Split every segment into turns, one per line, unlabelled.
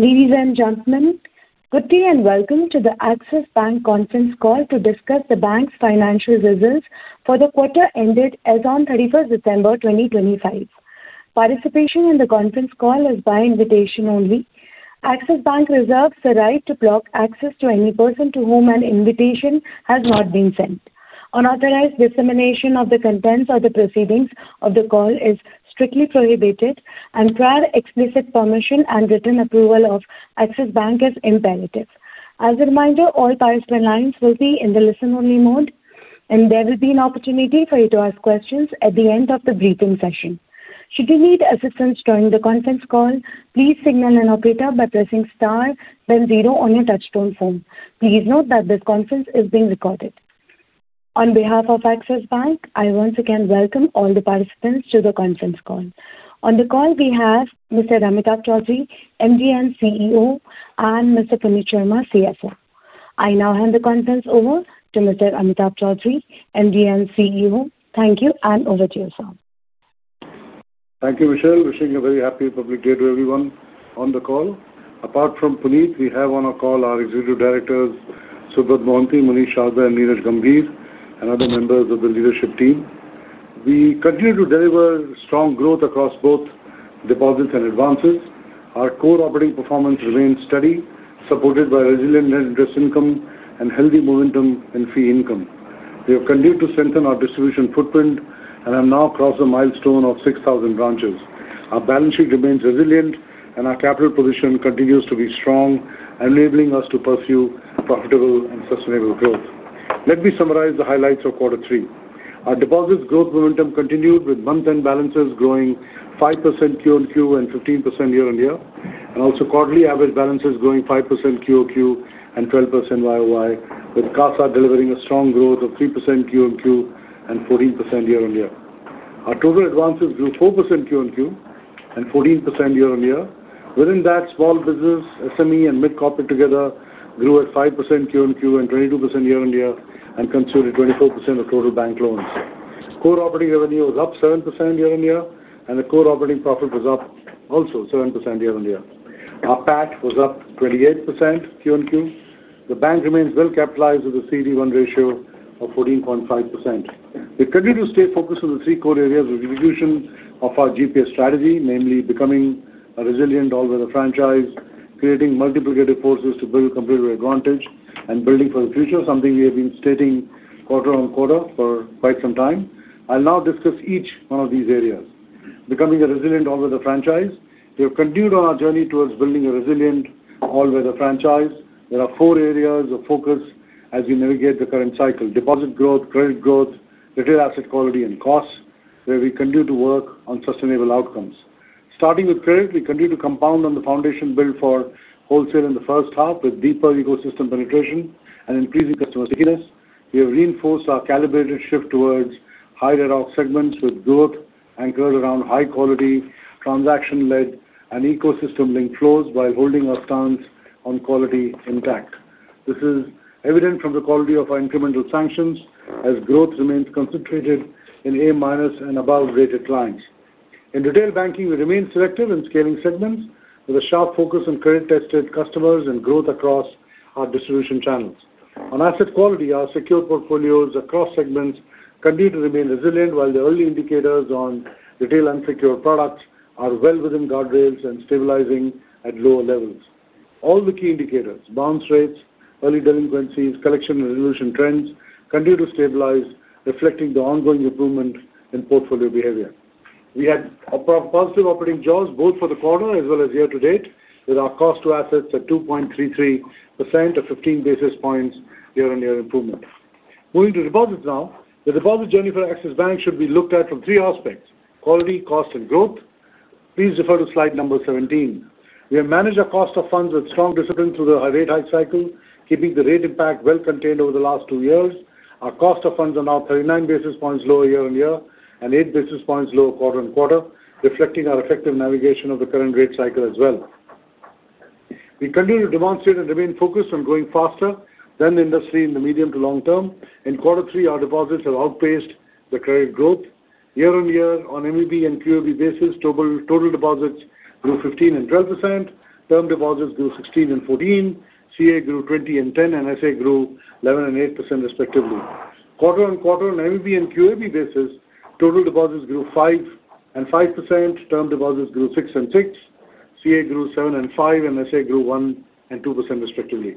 Ladies and gentlemen, good day and welcome to the Axis Bank Conference Call to discuss the bank's financial results for the quarter ended as of 31st December 2025. Participation in the conference call is by invitation only. Axis Bank reserves the right to block access to any person to whom an invitation has not been sent. Unauthorized dissemination of the contents or the proceedings of the call is strictly prohibited, and prior explicit permission and written approval of Axis Bank is imperative. As a reminder, all participants' lines will be in the listen-only mode, and there will be an opportunity for you to ask questions at the end of the briefing session. Should you need assistance during the conference call, please signal an operator by pressing star then zero on your touch-tone phone. Please note that this conference is being recorded. On behalf of Axis Bank, I once again welcome all the participants to the conference call. On the call, we have Mr. Amitabh Chaudhry, MD and CEO, and Mr. Puneet Sharma, CFO. I now hand the conference over to Mr. Amitabh Chaudhry, MD and CEO. Thank you, and over to you, sir.
Thank you, Michelle. Wishing a very happy Republic Day to everyone on the call. Apart from Puneet, we have on our call our Executive Directors, Subrat Mohanty, Munish Sharda, and Neeraj Gambhir, and other members of the leadership team. We continue to deliver strong growth across both deposits and advances. Our core operating performance remains steady, supported by resilient net interest income and healthy momentum in fee income. We have continued to strengthen our distribution footprint and have now crossed the milestone of 6,000 branches. Our balance sheet remains resilient, and our capital position continues to be strong, enabling us to pursue profitable and sustainable growth. Let me summarize the highlights of quarter three. Our deposits' growth momentum continued, with month-end balances growing 5% QoQ and 15% year-on-year, and also quarterly average balances growing 5% QoQ and 12% YoY, with CASA delivering a strong growth of 3% QoQ and 14% year-on-year. Our total advances grew 4% QoQ and 14% year-on-year. Within that, small business, SME, and mid-corporate together grew at 5% QoQ and 22% year-on-year, and consumed 24% of total bank loans. Core operating revenue was up 7% year-on-year, and the core operating profit was up also 7% year-on-year. Our PAT was up 28% QoQ. The bank remains well-capitalized with a CET1 ratio of 14.5%. We continue to stay focused on the three core areas of the distribution of our GPS Strategy, namely becoming a resilient all-weather franchise, creating multiplicative forces to build competitive advantage, and building for the future, something we have been stating quarter-on-quarter for quite some time. I'll now discuss each one of these areas. Becoming a resilient all-weather franchise, we have continued on our journey towards building a resilient all-weather franchise. There are four areas of focus as we navigate the current cycle: deposit growth, credit growth, retail asset quality, and costs, where we continue to work on sustainable outcomes. Starting with credit, we continue to compound on the foundation built for wholesale in the first half with deeper ecosystem penetration and increasing customer stickiness. We have reinforced our calibrated shift towards high-ROE segments with growth anchored around high-quality, transaction-led, and ecosystem-linked flows while holding our stance on quality intact. This is evident from the quality of our incremental sanctions as growth remains concentrated in A- and above-rated clients. In retail banking, we remain selective in scaling segments with a sharp focus on credit-tested customers and growth across our distribution channels. On asset quality, our secured portfolios across segments continue to remain resilient, while the early indicators on retail unsecured products are well within guardrails and stabilizing at lower levels. All the key indicators, bounce rates, early delinquencies, collection and resolution trends, continue to stabilize, reflecting the ongoing improvement in portfolio behavior. We had positive operating jaws both for the quarter as well as year to date, with our cost to assets at 2.33%, a 15 basis points year-on-year improvement. Moving to deposits now, the deposit journey for Axis Bank should be looked at from three aspects: quality, cost, and growth. Please refer to slide number 17. We have managed our cost of funds with strong discipline through the high rate hike cycle, keeping the rate impact well-contained over the last two years. Our cost of funds are now 39 basis points lower year-over-year and 8 basis points lower quarter-over-quarter, reflecting our effective navigation of the current rate cycle as well. We continue to demonstrate and remain focused on growing faster than the industry in the medium to long term. In quarter three, our deposits have outpaced the credit growth. Year-over-year, on MEB and QAB basis, total deposits grew 15% and 12%. Term deposits grew 16% and 14%. CA grew 20% and 10%, and SA grew 11% and 8% respectively. Quarter-on-quarter, on MEB and QAB basis, total deposits grew 5% and 5%. Term deposits grew 6% and 6%. CA grew 7% and 5%, and SA grew 1% and 2% respectively.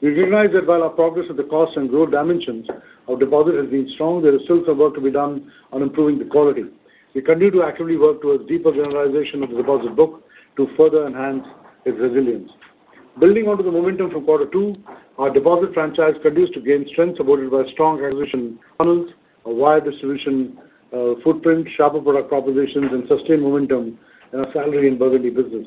We recognize that while our progress with the cost and growth dimensions of deposits has been strong, there is still some work to be done on improving the quality. We continue to actively work towards deeper generalization of the deposit book to further enhance its resilience. Building onto the momentum from quarter two, our deposit franchise continues to gain strength, supported by strong acquisition funnels, a wide distribution footprint, sharper product propositions, and sustained momentum in our salary and Burgundy business.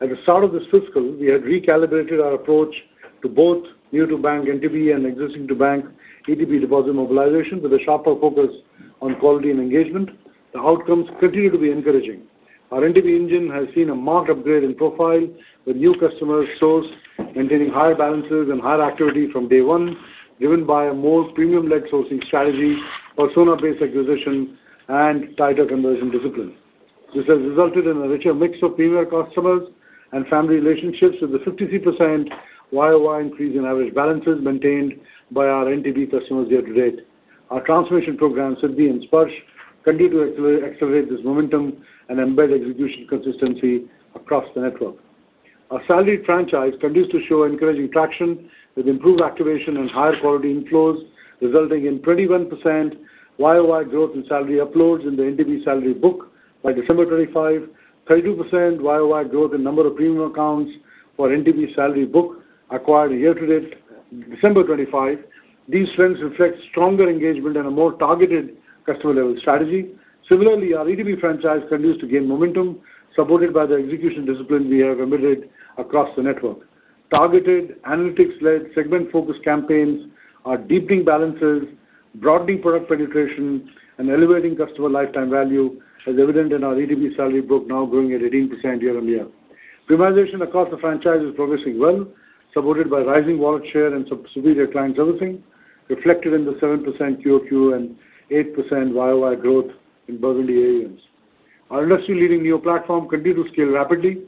At the start of this fiscal, we had recalibrated our approach to both new-to-bank NTB and existing-to-bank ETB deposit mobilization with a sharper focus on quality and engagement. The outcomes continue to be encouraging. Our NTB engine has seen a marked upgrade in profile with new customers sourced, maintaining higher balances and higher activity from day one, driven by a more premium-led sourcing strategy, persona-based acquisition, and tighter conversion discipline. This has resulted in a richer mix of female customers and family relationships with a 53% year-over-year increase in average balances maintained by our NTB customers year to date. Our transformation programs with Bharat and Sparsh continue to accelerate this momentum and embed execution consistency across the network. Our salary franchise continues to show encouraging traction with improved activation and higher quality inflows, resulting in 21% YoY growth in salary uploads in the NTB salary book by December 25, 32% YoY growth in number of premium accounts for NTB salary book acquired year to date December 25. These trends reflect stronger engagement and a more targeted customer-level strategy. Similarly, our ETB franchise continues to gain momentum, supported by the execution discipline we have implemented across the network. Targeted, analytics-led, segment-focused campaigns are deepening balances, broadening product penetration, and elevating customer lifetime value, as evident in our ETB salary book now growing at 18% year-on-year. Penetration across the franchise is progressing well, supported by rising wallet share and superior client servicing, reflected in the 7% QoQ and 8% YoY growth in Burgundy areas. Our industry-leading Neo platform continues to scale rapidly,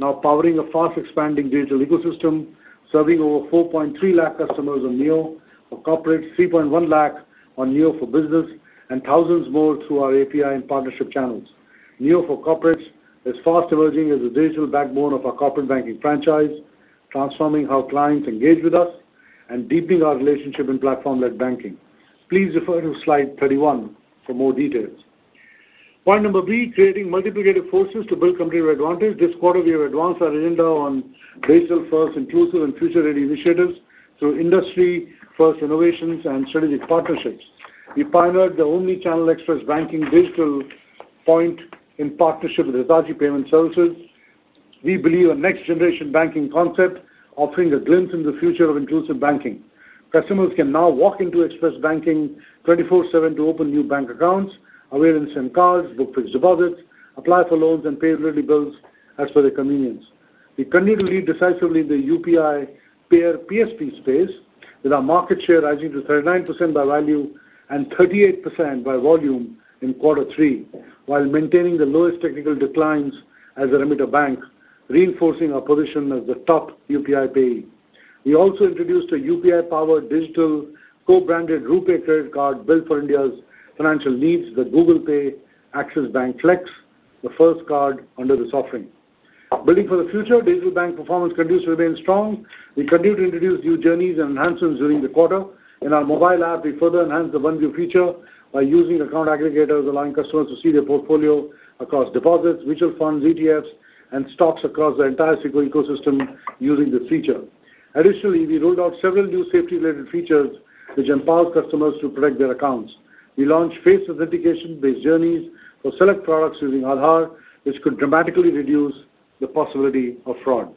now powering a fast-expanding digital ecosystem, serving over 4.3 lakh customers on Neo, and 3.1 lakh corporates on Neo for Business, and thousands more through our API and partnership channels. Neo for Corporates is fast emerging as a digital backbone of our corporate banking franchise, transforming how clients engage with us and deepening our relationship in platform-led banking. Please refer to slide 31 for more details. Point number B, creating multiplicative forces to build competitive advantage. This quarter, we have advanced our agenda on digital-first inclusive and future-ready initiatives through industry-first innovations and strategic partnerships. We pioneered the only cashless express banking digital point in partnership with Hitachi Payment Services. We believe a next-generation banking concept offers a glimpse into the future of inclusive banking. Customers can now walk into express banking 24/7 to open new bank accounts, avail instant cards, book fixed deposits, apply for loans, and pay utility bills at their convenience. We continue to lead decisively in the UPI payer PSP space, with our market share rising to 39% by value and 38% by volume in quarter three, while maintaining the lowest technical declines as a remitter bank, reinforcing our position as the top UPI payee. We also introduced a UPI-powered digital co-branded RuPay credit card built for India's financial needs, the Google Pay Axis Bank Flex, the first card under this offering. Building for the future, digital bank performance continues to remain strong. We continue to introduce new journeys and enhancements during the quarter. In our mobile app, we further enhance the OneView feature by using account aggregators, allowing customers to see their portfolio across deposits, mutual funds, ETFs, and stocks across the entire Securities ecosystem using this feature. Additionally, we rolled out several new safety-related features which empower customers to protect their accounts. We launched face authentication-based journeys for select products using Aadhaar, which could dramatically reduce the possibility of fraud.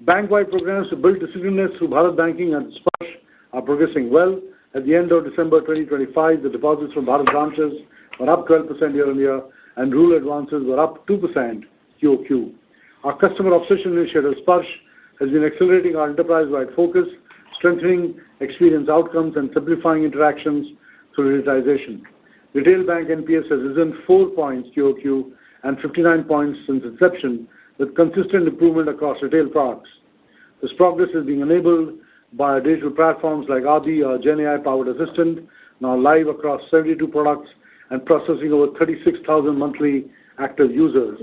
Bank-wide programs to build decisions through Bharat Banking and Sparsh are progressing well. At the end of December 2025, the deposits from Bharat branches were up 12% year-on-year, and rural advances were up 2% QoQ. Our customer obsession initiative, Sparsh, has been accelerating our enterprise-wide focus, strengthening experience outcomes and simplifying interactions through digitization. Retail bank NPS has risen 4 points QoQ and 59 points since inception, with consistent improvement across retail products. This progress is being enabled by our digital platforms like Adi or GenAI-powered assistant, now live across 72 products and processing over 36,000 monthly active users,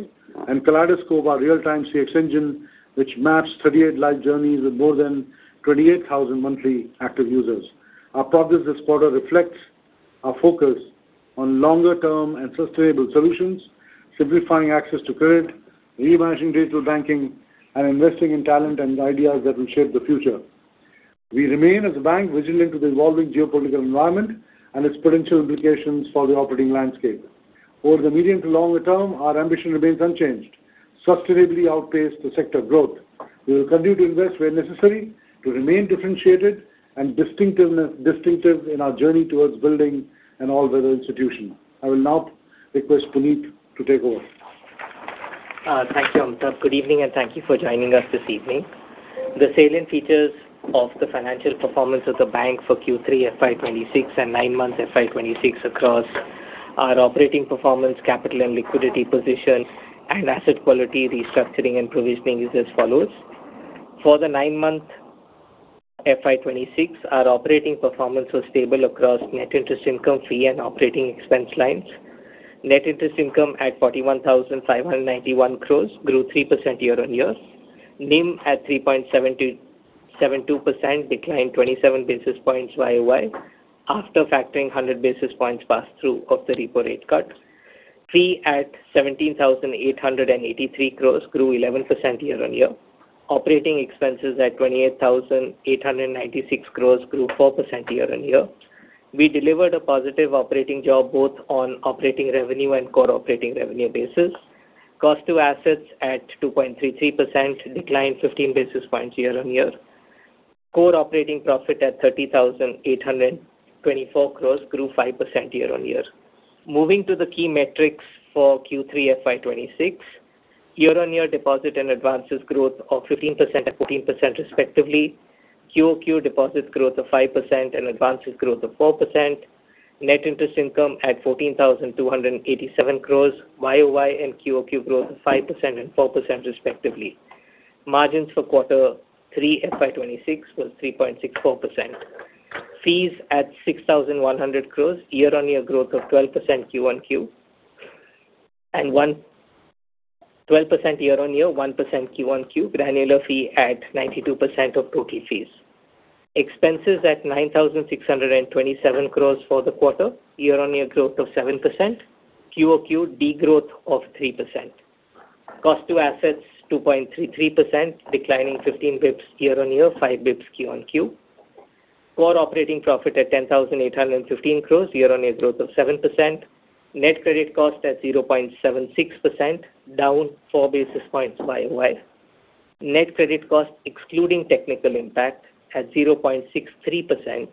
and Kaleidoscope, our real-time CX engine, which maps 38 live journeys with more than 28,000 monthly active users. Our progress this quarter reflects our focus on longer-term and sustainable solutions, simplifying access to credit, reimagining digital banking, and investing in talent and ideas that will shape the future. We remain as a bank vigilant to the evolving geopolitical environment and its potential implications for the operating landscape. Over the medium to longer term, our ambition remains unchanged, sustainably outpaced the sector growth. We will continue to invest where necessary to remain differentiated and distinctive in our journey towards building an all-weather institution. I will now request Puneet to take over.
Thank you, Amitabh. Good evening, and thank you for joining us this evening. The salient features of the financial performance of the bank for Q3 FY 2026 and nine-month FY 2026 across our operating performance, capital and liquidity position, and asset quality restructuring and provisioning is as follows. For the nine-month FY 2026, our operating performance was stable across net interest income, fee, and operating expense lines. Net interest income at 41,591 crores grew 3% year-on-year. NIM at 3.72% declined 27 basis points year-on-year after factoring 100 basis points passthrough of the repo rate cut. Fee at 17,883 crores grew 11% year-on-year. Operating expenses at 28,896 crores grew 4% year-on-year. We delivered a positive operating jaws both on operating revenue and core operating revenue basis. Cost to assets at 2.33% declined 15 basis points year-on-year. Core operating profit at 30,824 crores grew 5% year-on-year. Moving to the key metrics for Q3 FY 2026, year-on-year deposit and advances growth of 15% and 14% respectively, QoQ deposits growth of 5% and advances growth of 4%, net interest income at 14,287 crore YoY and QoQ growth of 5% and 4% respectively. Margins for quarter three FY 2026 was 3.64%. Fees at 6,100 crore, year-on-year growth of 12% QoQ and 1% QoQ, granular fee at 92% of total fees. Expenses at 9,627 crore for the quarter, year-on-year growth of 7%, QoQ degrowth of 3%. Cost to assets 2.33%, declining 15 basis points year-on-year, 5 basis points QoQ. Core operating profit at 10,815 crore, year-on-year growth of 7%. Net credit cost at 0.76%, down 4 basis points YoY. Net credit cost excluding technical impact at 0.63%,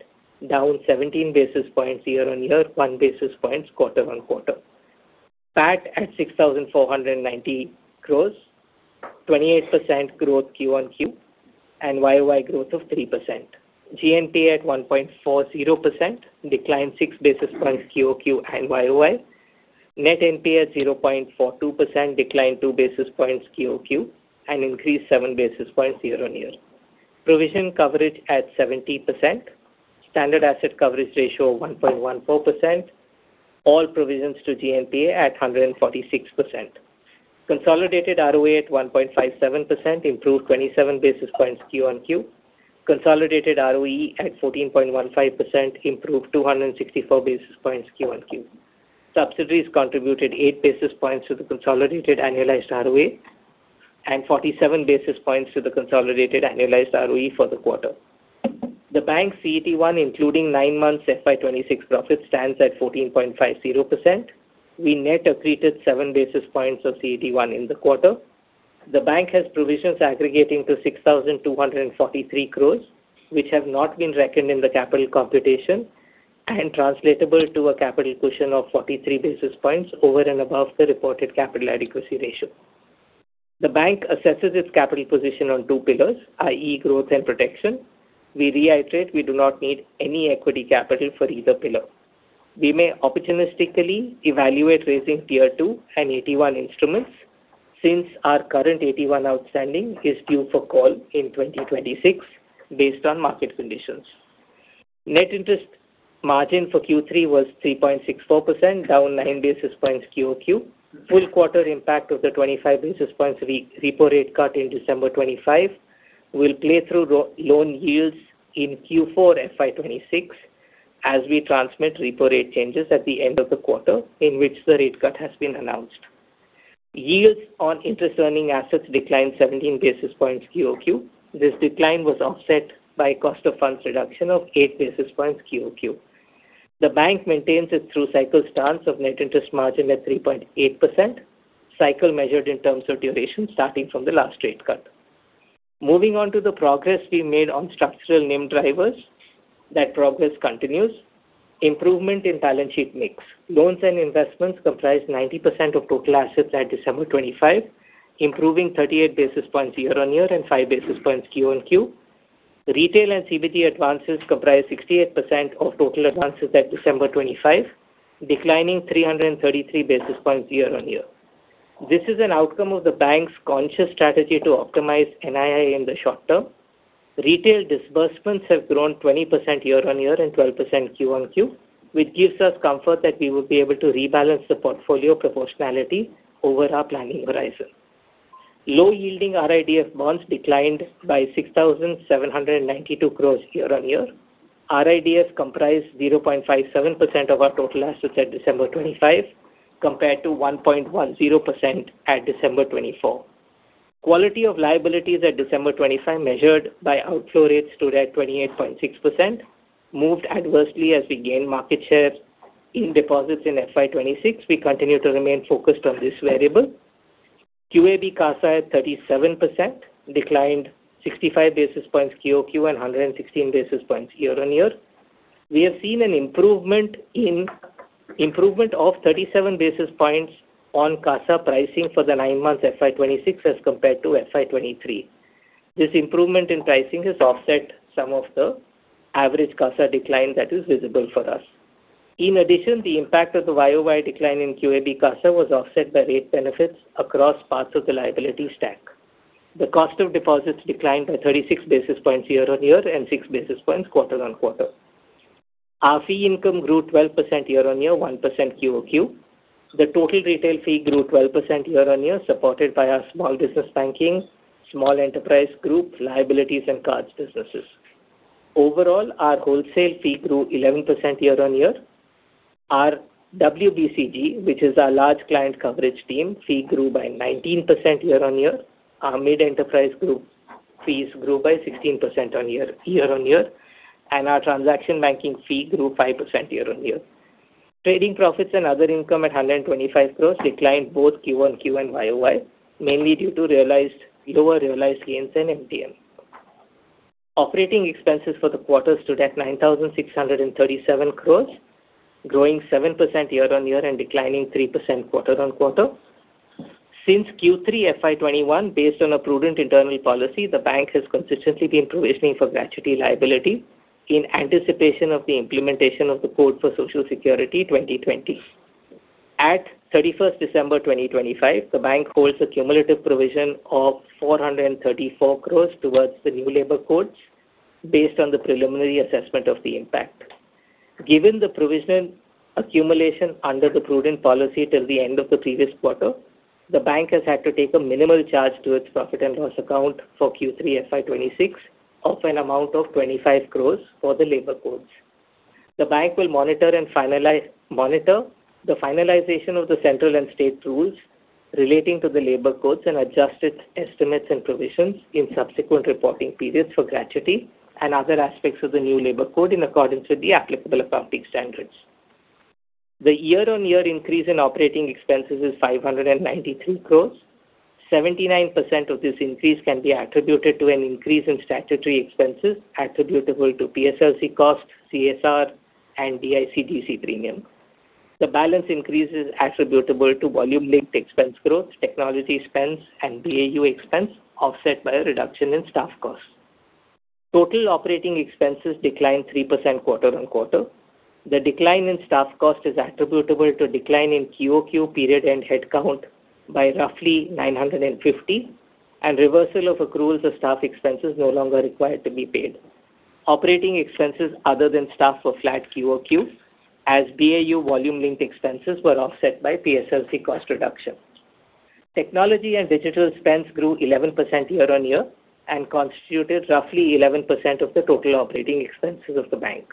down 17 basis points year-on-year, 1 basis point quarter-on-quarter. PAT at 6,490 crore, 28% growth QoQ and YoY growth of 3%. GNPA at 1.40%, declined 6 basis points QoQ and YoY. Net NPA at 0.42%, declined 2 basis points QoQ and increased 7 basis points year-on-year. Provision coverage at 70%, standard asset coverage ratio 1.14%, all provisions to GNPA at 146%. Consolidated ROA at 1.57%, improved 27 basis points QoQ. Consolidated ROE at 14.15%, improved 264 basis points QoQ. Subsidiaries contributed 8 basis points to the consolidated annualized ROE and 47 basis points to the consolidated annualized ROE for the quarter. The bank's CET1, including nine-month FY 2026 profit, stands at 14.50%. We net accreted 7 basis points of CET1 in the quarter. The bank has provisions aggregating to 6,243 crore, which have not been reckoned in the capital computation and translatable to a capital cushion of 43 basis points over and above the reported capital adequacy ratio. The bank assesses its capital position on two pillars, i.e., growth and protection. We reiterate we do not need any equity capital for either pillar. We may opportunistically evaluate raising tier two and AT1 instruments since our current AT1 outstanding is due for call in 2026 based on market conditions. Net interest margin for Q3 was 3.64%, down 9 basis points QoQ. Full quarter impact of the 25 basis points repo rate cut in December 2025 will play through loan yields in Q4 FY 2026 as we transmit repo rate changes at the end of the quarter in which the rate cut has been announced. Yields on interest-earning assets declined 17 basis points QoQ. This decline was offset by cost of funds reduction of 8 basis points QoQ. The bank maintains its through-cycle stance of net interest margin at 3.8%, cycle measured in terms of duration starting from the last rate cut. Moving on to the progress we made on structural NIM drivers, that progress continues. Improvement in balance sheet mix. Loans and investments comprised 90% of total assets at December 25, improving 38 basis points year-on-year and 5 basis points QoQ. Retail and CBG advances comprised 68% of total advances at December 25, declining 333 basis points year-on-year. This is an outcome of the bank's conscious strategy to optimize NII in the short term. Retail disbursements have grown 20% year-on-year and 12% QoQ, which gives us comfort that we will be able to rebalance the portfolio proportionality over our planning horizon. Low-yielding RIDF bonds declined by 6,792 crore year-on-year. RIDF comprised 0.57% of our total assets at December 2025 compared to 1.10% at December 2024. Quality of liabilities at December 2025 measured by outflow rates stood at 28.6%, moved adversely as we gained market share in deposits in FY 2026. We continue to remain focused on this variable. QAB CASA at 37% declined 65 basis points QoQ and 116 basis points year-on-year. We have seen an improvement of 37 basis points on CASA pricing for the nine-month FY 2026 as compared to FY23. This improvement in pricing has offset some of the average CASA decline that is visible for us. In addition, the impact of the YoY decline in QAB CASA was offset by rate benefits across parts of the liability stack. The cost of deposits declined by 36 basis points year-on-year and 6 basis points quarter-on-quarter. Our fee income grew 12% year-on-year, 1% QoQ. The total retail fee grew 12% year-on-year, supported by our small business banking, small enterprise group, liabilities, and cards businesses. Overall, our wholesale fee grew 11% year-on-year. Our WBCG, which is our large client coverage team, fee grew by 19% year-on-year. Our mid-enterprise group fees grew by 16% year-on-year, and our transaction banking fee grew 5% year-on-year. Trading profits and other income at 125 crore declined both QoQ and YoY, mainly due to lower realized gains and MTM. Operating expenses for the quarter stood at 9,637 crore, growing 7% year-on-year and declining 3% quarter-on-quarter. Since Q3 FY 2021, based on a prudent internal policy, the bank has consistently been provisioning for gratuity liability in anticipation of the implementation of the code for Social Security 2020. At 31st December 2025, the bank holds a cumulative provision of 434 crore towards the new labor codes based on the preliminary assessment of the impact. Given the provision accumulation under the prudent policy till the end of the previous quarter, the bank has had to take a minimal charge to its profit and loss account for Q3 FY 2026 of an amount of 25 crore for the labor codes. The bank will monitor and finalize the finalization of the central and state rules relating to the labor codes and adjust its estimates and provisions in subsequent reporting periods for gratuity and other aspects of the new labor code in accordance with the applicable accounting standards. The year-on-year increase in operating expenses is 593 crore. 79% of this increase can be attributed to an increase in statutory expenses attributable to PSLC cost, CSR, and DICGC premium. The balance increase is attributable to volume-linked expense growth, technology spends, and BAU expense offset by a reduction in staff cost. Total operating expenses declined 3% quarter-over-quarter. The decline in staff cost is attributable to a decline in QoQ period end headcount by roughly 950, and reversal of accruals of staff expenses no longer required to be paid. Operating expenses other than staff were flat QoQ as BAU volume-linked expenses were offset by PSLC cost reduction. Technology and digital spends grew 11% year-on-year and constituted roughly 11% of the total operating expenses of the bank.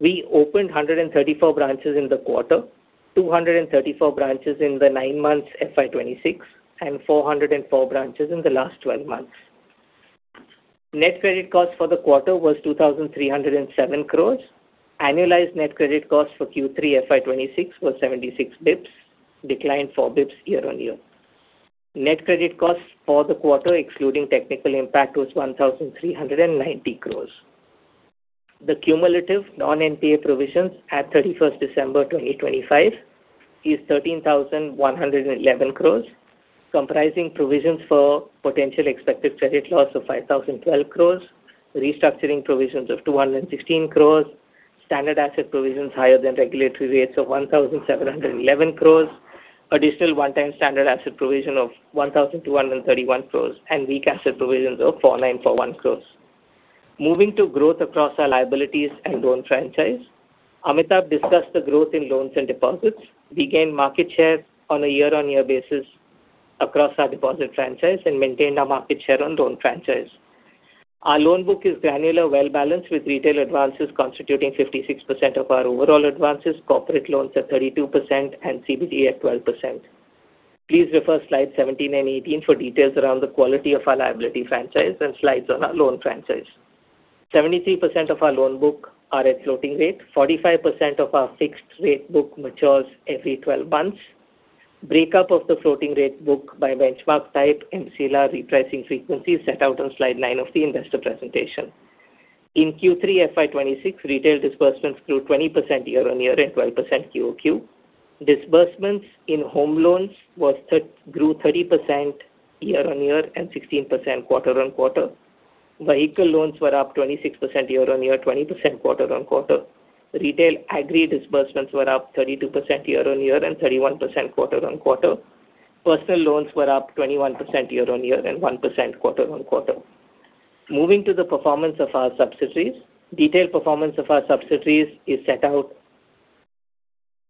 We opened 134 branches in the quarter, 234 branches in the nine months FY 2026, and 404 branches in the last 12 months. Net credit cost for the quarter was 2,307 crores. Annualized net credit cost for Q3 FY 2026 was 76 bps, declined 4 bps year-on-year. Net credit cost for the quarter, excluding technical impact, was 1,390 crores. The cumulative non-NPA provisions at 31st December 2025 is 13,111 crores, comprising provisions for potential expected credit loss of 5,012 crores, restructuring provisions of 216 crores, standard asset provisions higher than regulatory rates of 1,711 crores, additional one-time standard asset provision of 1,231 crores, and weak asset provisions of 4,941 crores. Moving to growth across our liabilities and loan franchise, Amitabh discussed the growth in loans and deposits. We gained market share on a year-on-year basis across our deposit franchise and maintained our market share on loan franchise. Our loan book is granular, well-balanced, with retail advances constituting 56% of our overall advances, corporate loans at 32%, and CBG at 12%. Please refer slides 17 and 18 for details around the quality of our liability franchise and slides on our loan franchise. 73% of our loan book are at floating rate. 45% of our fixed rate book matures every 12 months. Breakup of the floating rate book by benchmark type and CELA repricing frequency is set out on slide 9 of the investor presentation. In Q3 FY 2026, retail disbursements grew 20% year-on-year and 12% QoQ. Disbursements in home loans grew 30% year-on-year and 16% quarter-on-quarter. Vehicle loans were up 26% year-over-year, 20% quarter-over-quarter. Retail aggregate disbursements were up 32% year-over-year and 31% quarter-over-quarter. Personal loans were up 21% year-over-year and 1% quarter-over-quarter. Moving to the performance of our subsidiaries. Detailed performance of our subsidiaries is set out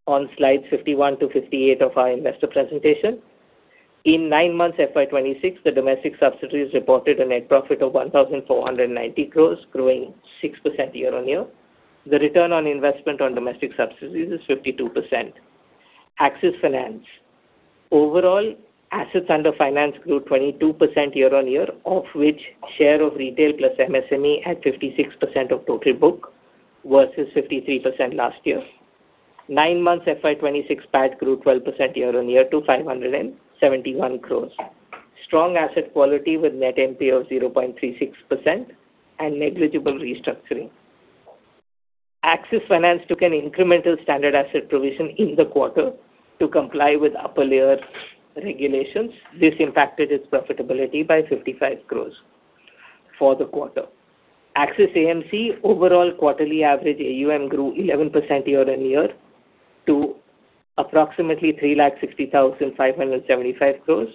on slides 51 to 58 of our investor presentation. In nine months FY 2026, the domestic subsidiaries reported a net profit of 1,490 crores, growing 6% year-over-year. The return on investment on domestic subsidiaries is 52%. Axis Finance. Overall, assets under finance grew 22% year-over-year, of which share of retail plus MSME at 56% of total book versus 53% last year. Nine months FY 2026 PAT grew 12% year-over-year to 571 crores. Strong asset quality with net NPA of 0.36% and negligible restructuring. Axis Finance took an incremental standard asset provision in the quarter to comply with upper-layer regulations. This impacted its profitability by 55 crores for the quarter. Axis AMC overall quarterly average AUM grew 11% year-on-year to approximately 360,575 crores.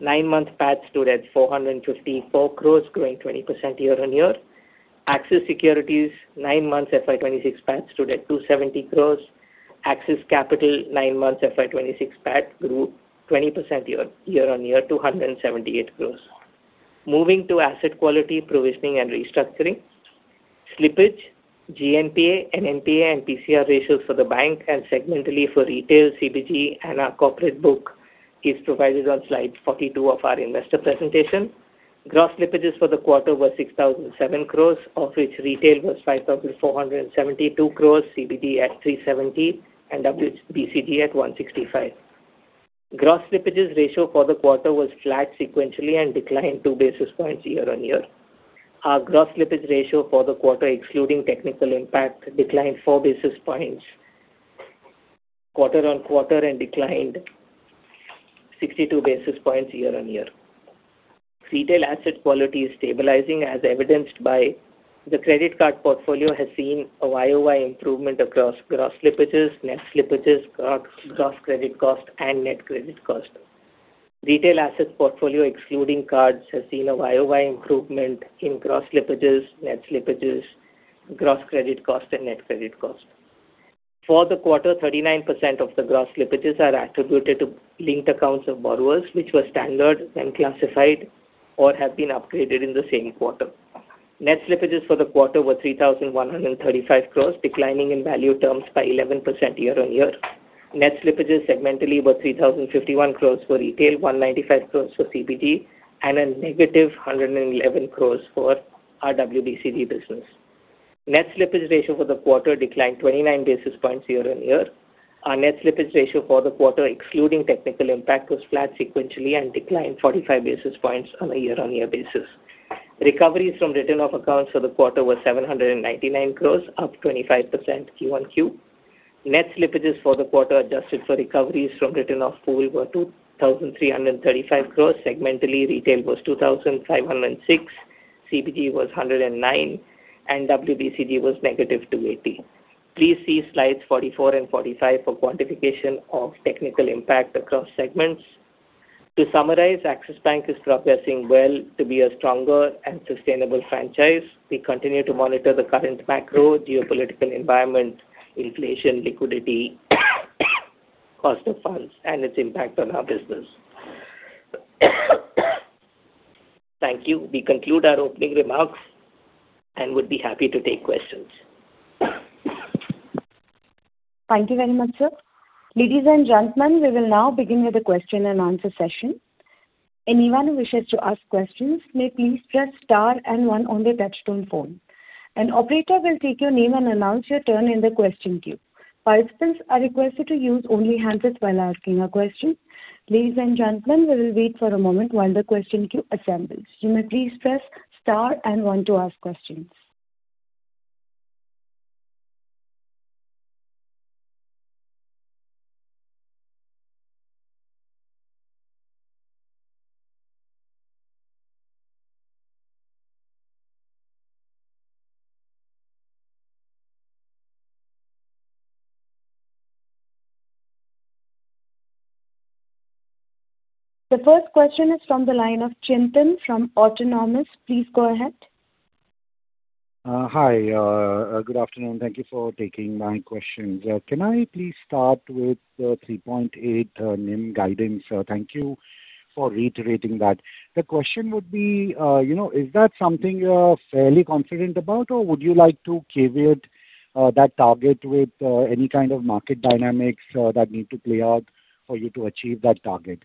Nine-month PAT stood at 454 crores, growing 20% year-on-year. Axis Securities nine months FY 2026 PAT stood at INR 270 crores. Axis Capital nine months FY 2026 PAT grew 20% year-on-year to 178 crores. Moving to asset quality, provisioning, and restructuring. Slippage, GNPA, and NPA, and PCR ratios for the bank and segmentally for retail, CBG, and our corporate book is provided on slide 42 of our investor presentation. Gross slippages for the quarter were 6,007 crores, of which retail was 5,472 crores, CBG at 370 crores, and WBCG at 165 crores. Gross slippages ratio for the quarter was flat sequentially and declined 2 basis points year-on-year. Our gross slippage ratio for the quarter, excluding technical impact, declined 4 basis points quarter-on-quarter and declined 62 basis points year-on-year. Retail asset quality is stabilizing as evidenced by the credit card portfolio has seen a YoY improvement across gross slippages, net slippages, gross credit cost, and net credit cost. Retail asset portfolio, excluding cards, has seen a YoY improvement in gross slippages, net slippages, gross credit cost, and net credit cost. For the quarter, 39% of the gross slippages are attributed to linked accounts of borrowers, which were standard and classified or have been upgraded in the same quarter. Net slippages for the quarter were 3,135 crores, declining in value terms by 11% year-on-year. Net slippages segmentally were 3,051 crores for retail, 195 crores for CBG, and a negative 111 crores for our WBCG business. Net slippage ratio for the quarter declined 29 basis points year-on-year. Our net slippage ratio for the quarter, excluding technical impact, was flat sequentially and declined 45 basis points on a year-on-year basis. Recoveries from written-off accounts for the quarter were 799 crore, up 25% QoQ. Net slippages for the quarter adjusted for recoveries from written-off pool were 2,335 crore. Segmentally, retail was 2,506 crore, CBG was 109 crore, and WBCG was -280 crore. Please see slides 44 and 45 for quantification of technical impact across segments. To summarize, Axis Bank is progressing well to be a stronger and sustainable franchise. We continue to monitor the current macro geopolitical environment, inflation, liquidity, cost of funds, and its impact on our business. Thank you. We conclude our opening remarks and would be happy to take questions.
Thank you very much, sir. Ladies and gentlemen, we will now begin with the question and answer session. Anyone who wishes to ask questions may please press star and one on the touch-tone phone. An operator will take your name and announce your turn in the question queue. Participants are requested to use only the handset while asking a question. Ladies and gentlemen, we will wait for a moment while the question queue assembles. You may please press star and one to ask questions. The first question is from the line of Chintan from Autonomous. Please go ahead.
Hi. Good afternoon. Thank you for taking my questions. Can I please start with the 3.8 NIM guidance? Thank you for reiterating that. The question would be, is that something you're fairly confident about, or would you like to caveat that target with any kind of market dynamics that need to play out for you to achieve that target?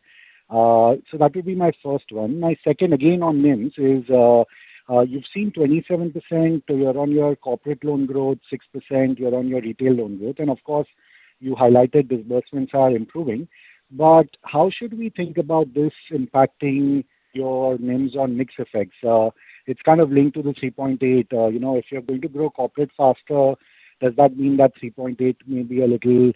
So that would be my first one. My second, again on NIMS, is you've seen 27% year-on-year corporate loan growth, 6% year-on-year retail loan growth. And of course, you highlighted disbursements are improving. But how should we think about this impacting your NIMS on mixed effects? It's kind of linked to the 3.8. If you're going to grow corporate faster, does that mean that 3.8 may be a little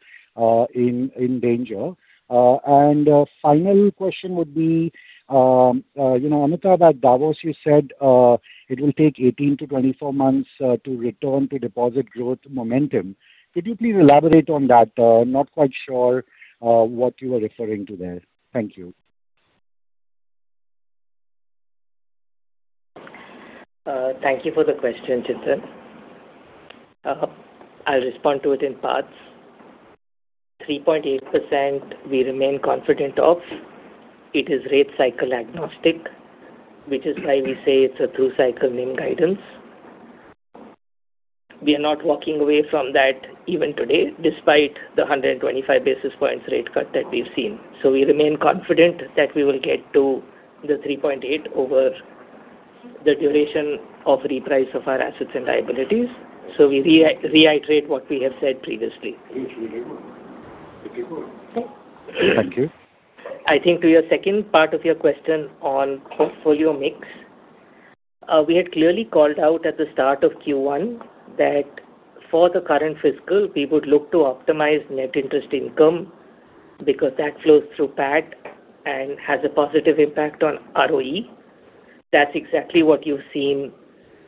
in danger? And final question would be, Amitabh, at Davos, you said it will take 18-24 months to return to deposit growth momentum. Could you please elaborate on that? Not quite sure what you were referring to there. Thank you.
Thank you for the question, Chintan. I'll respond to it in parts. 3.8%, we remain confident of. It is rate cycle agnostic, which is why we say it's a through cycle NIM guidance. We are not walking away from that even today, despite the 125 basis points rate cut that we've seen. So we remain confident that we will get to the 3.8 over the duration of reprice of our assets and liabilities. So we reiterate what we have said previously.
Thank you.
I think to your second part of your question on portfolio mix, we had clearly called out at the start of Q1 that for the current fiscal, we would look to optimize net interest income because that flows through PAT and has a positive impact on ROE. That's exactly what you've seen.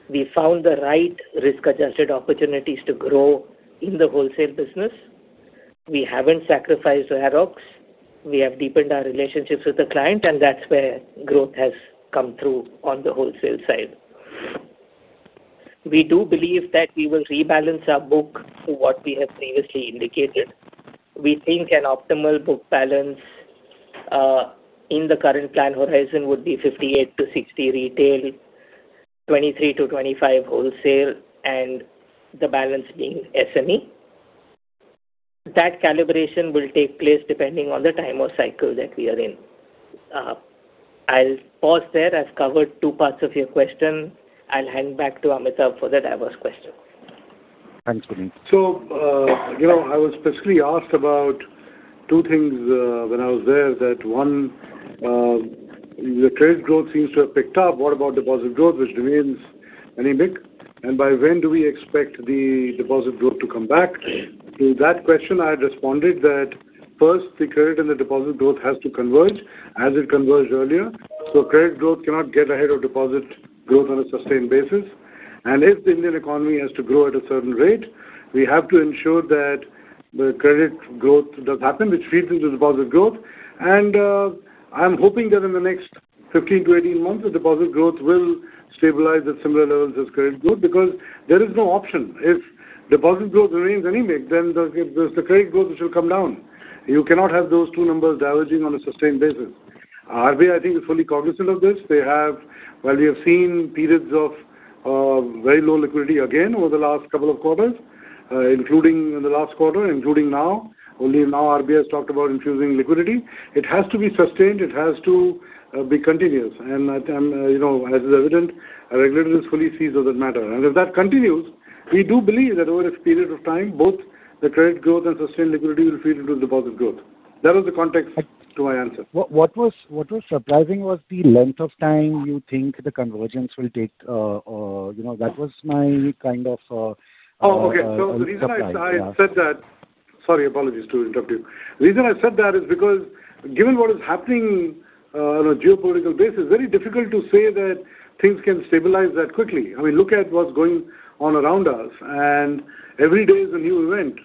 We found the right risk-adjusted opportunities to grow in the wholesale business. We haven't sacrificed RoE We have deepened our relationships with the client, and that's where growth has come through on the wholesale side. We do believe that we will rebalance our book to what we have previously indicated. We think an optimal book balance in the current plan horizon would be 58-60 retail, 23-25 wholesale, and the balance being SME. That calibration will take place depending on the time of cycle that we are in. I'll pause there. I've covered two parts of your question. I'll hand back to Amitabh for the Davos question.
Thanks, Puneet.
So I was specifically asked about two things when I was there, that one, the trade growth seems to have picked up. What about deposit growth, which remains anemic? And by when do we expect the deposit growth to come back? To that question, I had responded that first, the credit and the deposit growth has to converge as it converged earlier. So credit growth cannot get ahead of deposit growth on a sustained basis. If the Indian economy has to grow at a certain rate, we have to ensure that the credit growth does happen, which feeds into deposit growth. I'm hoping that in the next 15-18 months, the deposit growth will stabilize at similar levels as credit growth because there is no option. If deposit growth remains anemic, then the credit growth will come down. You cannot have those two numbers diverging on a sustained basis. RBI, I think, is fully cognizant of this. While we have seen periods of very low liquidity again over the last couple of quarters, including in the last quarter, including now, only now RBI has talked about infusing liquidity. It has to be sustained. It has to be continuous. As is evident, a regulator is fully seized on that matter. If that continues, we do believe that over a period of time, both the credit growth and sustained liquidity will feed into deposit growth. That was the context to my answer. What was surprising was the length of time you think the convergence will take. That was my kind of. Oh, okay. So the reason I said that, sorry, apologies to interrupt you, the reason I said that is because given what is happening on a geopolitical basis, it's very difficult to say that things can stabilize that quickly. I mean, look at what's going on around us, and every day is a new event.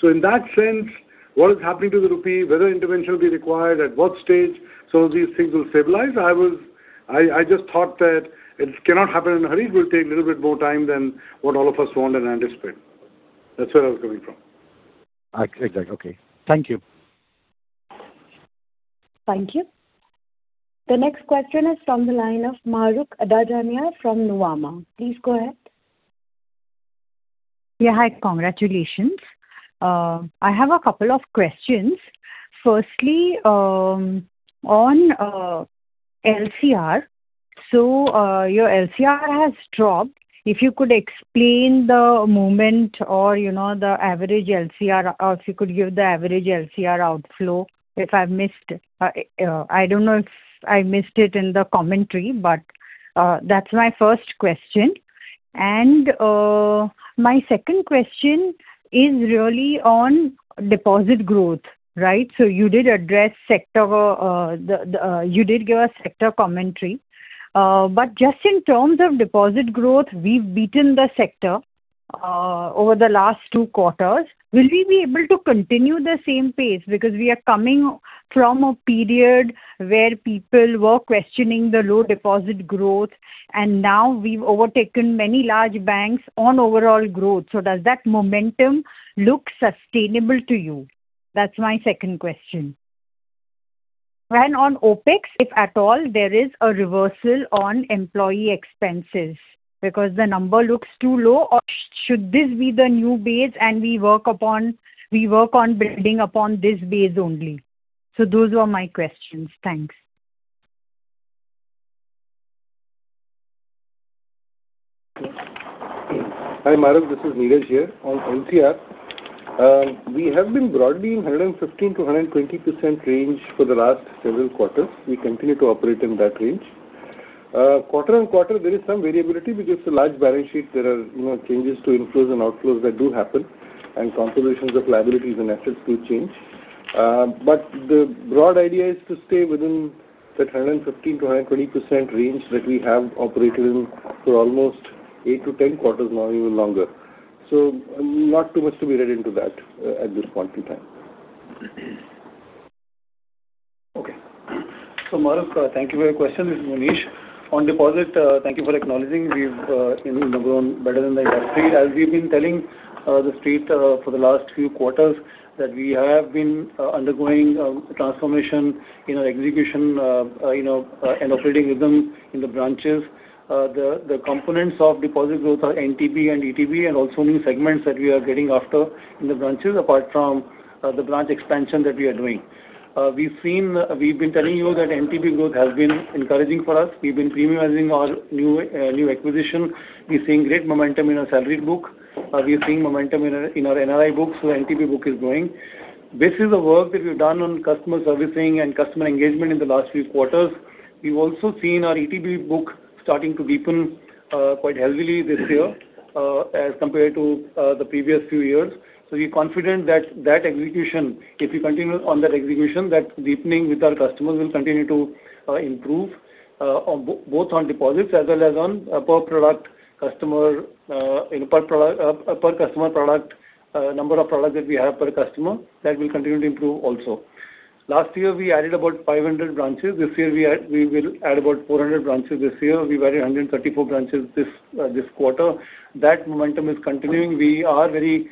So in that sense, what is happening to the rupee? Whether intervention will be required, at what stage some of these things will stabilize? I just thought that it cannot happen in a hurry. It will take a little bit more time than what all of us want and anticipate. That's where I was coming from.
Exactly. Okay. Thank you.
Thank you. The next question is from the line of Mahrukh Adajania from Nuvama. Please go ahead.
Yeah. Hi. Congratulations. I have a couple of questions. Firstly, on LCR, so your LCR has dropped. If you could explain the monthly or the average LCR, if you could give the average LCR outflow, if I've missed—I don't know if I missed it in the commentary, but that's my first question. And my second question is really on deposit growth, right? So you did address sector—you did give us sector commentary. But just in terms of deposit growth, we've beaten the sector over the last two quarters. Will we be able to continue the same pace? Because we are coming from a period where people were questioning the low deposit growth, and now we've overtaken many large banks on overall growth. So does that momentum look sustainable to you? That's my second question. And on OPEX, if at all, there is a reversal on employee expenses because the number looks too low, or should this be the new base and we work upon building upon this base only? So those were my questions. Thanks.
Hi, Mahrukh. This is Neeraj here on LCR. We have been broadly in 115%-120% range for the last several quarters. We continue to operate in that range. Quarter-on-quarter, there is some variability because of the large balance sheet. There are changes to inflows and outflows that do happen, and compositions of liabilities and assets do change. But the broad idea is to stay within that 115%-120% range that we have operated in for almost 8-10 quarters now, even longer. So not too much to be read into that at this point in time.
Okay. So Mahrukh, thank you for your question. This is Munish. On deposit, thank you for acknowledging. We've been number one better than the industry. As we've been telling the street for the last few quarters that we have been undergoing a transformation in our execution and operating rhythm in the branches. The components of deposit growth are NTB and ETB, and also new segments that we are getting after in the branches, apart from the branch expansion that we are doing. We've been telling you that NTB growth has been encouraging for us. We've been premiumizing our new acquisition. We're seeing great momentum in our salary book. We're seeing momentum in our NRI book. So the NTB book is growing. This is the work that we've done on customer servicing and customer engagement in the last few quarters. We've also seen our ETB book starting to deepen quite heavily this year as compared to the previous few years. So we're confident that that execution, if we continue on that execution, that deepening with our customers will continue to improve, both on deposits as well as on per product customer, per customer product number of products that we have per customer that will continue to improve also. Last year, we added about 500 branches. This year, we will add about 400 branches. This year, we've added 134 branches this quarter. That momentum is continuing. We are very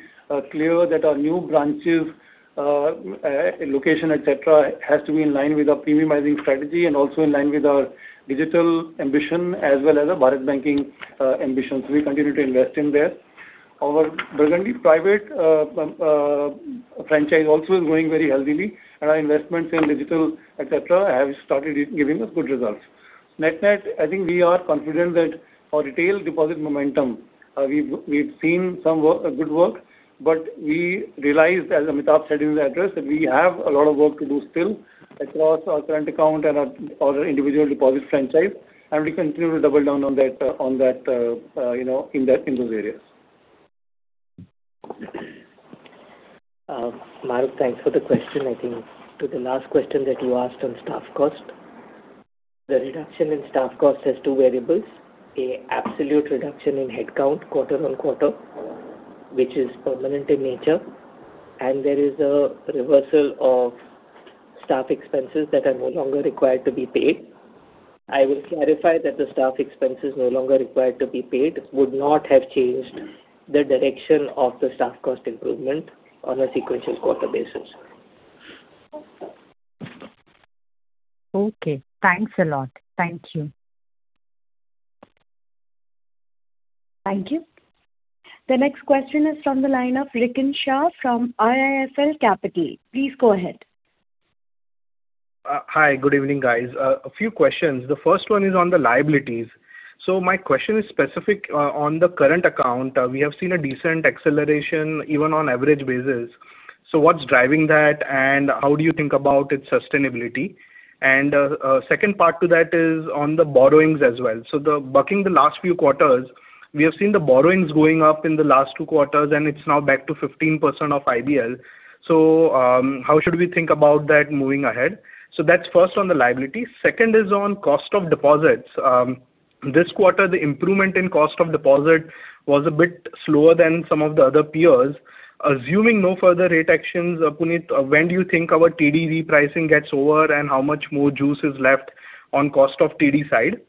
clear that our new branches, location, etc., has to be in line with our premiumizing strategy and also in line with our digital ambition as well as our Bharat Banking ambitions. We continue to invest in there. Our Burgundy Private franchise also is growing very heavily, and our investments in digital, etc., have started giving us good results. Net net, I think we are confident that our retail deposit momentum, we've seen some good work, but we realized, as Amitabh said in the address, that we have a lot of work to do still across our current account and our individual deposit franchise. And we continue to double down on that in those areas.
Mahrukh, thanks for the question. I think to the last question that you asked on staff cost, the reduction in staff cost has two variables: an absolute reduction in headcount quarter-on-quarter, which is permanent in nature, and there is a reversal of staff expenses that are no longer required to be paid. I will clarify that the staff expenses no longer required to be paid would not have changed the direction of the staff cost improvement on a sequential quarter basis.
Okay. Thanks a lot. Thank you.
Thank you. The next question is from the line of Rikin Shah from IIFL Capital. Please go ahead.
Hi. Good evening, guys. A few questions. The first one is on the liabilities. So my question is specific on the current account. We have seen a decent acceleration even on average basis. So what's driving that, and how do you think about its sustainability? Second part to that is on the borrowings as well. Looking at the last few quarters, we have seen the borrowings going up in the last two quarters, and it's now back to 15% of IBL. How should we think about that moving ahead? That's first on the liabilities. Second is on cost of deposits. This quarter, the improvement in cost of deposit was a bit slower than some of the other peers. Assuming no further rate actions, Puneet, when do you think our TD repricing gets over and how much more juice is left on cost of TD side?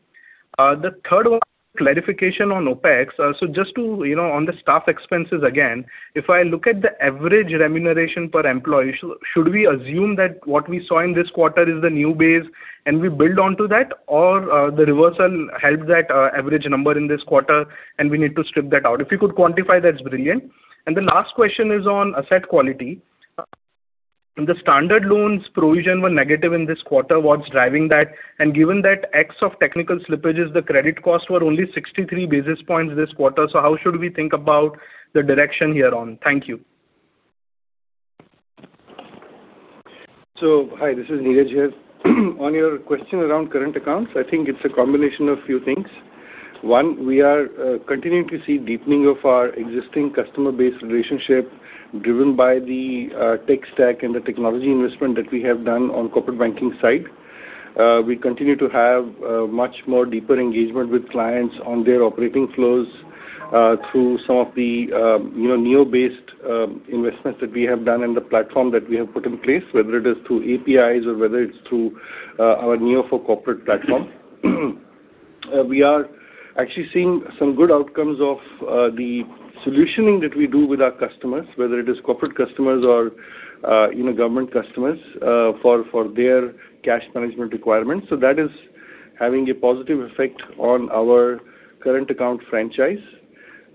The third one, clarification on OPEX. So just on the staff expenses again, if I look at the average remuneration per employee, should we assume that what we saw in this quarter is the new base and we build onto that, or the reversal helped that average number in this quarter and we need to strip that out? If you could quantify, that's brilliant. And the last question is on asset quality. The standard loans provision were negative in this quarter. What's driving that? And given that excess of technical slippages, the credit costs were only 63 basis points this quarter, so how should we think about the direction here on? Thank you.
So hi, this is Neeraj here. On your question around current accounts, I think it's a combination of a few things. One, we are continuing to see deepening of our existing customer base relationship driven by the tech stack and the technology investment that we have done on corporate banking side. We continue to have much more deeper engagement with clients on their operating flows through some of the Neo-based investments that we have done and the platform that we have put in place, whether it is through APIs or whether it's through our Neo for Corporates platform. We are actually seeing some good outcomes of the solutioning that we do with our customers, whether it is corporate customers or government customers for their cash management requirements. So that is having a positive effect on our current account franchise.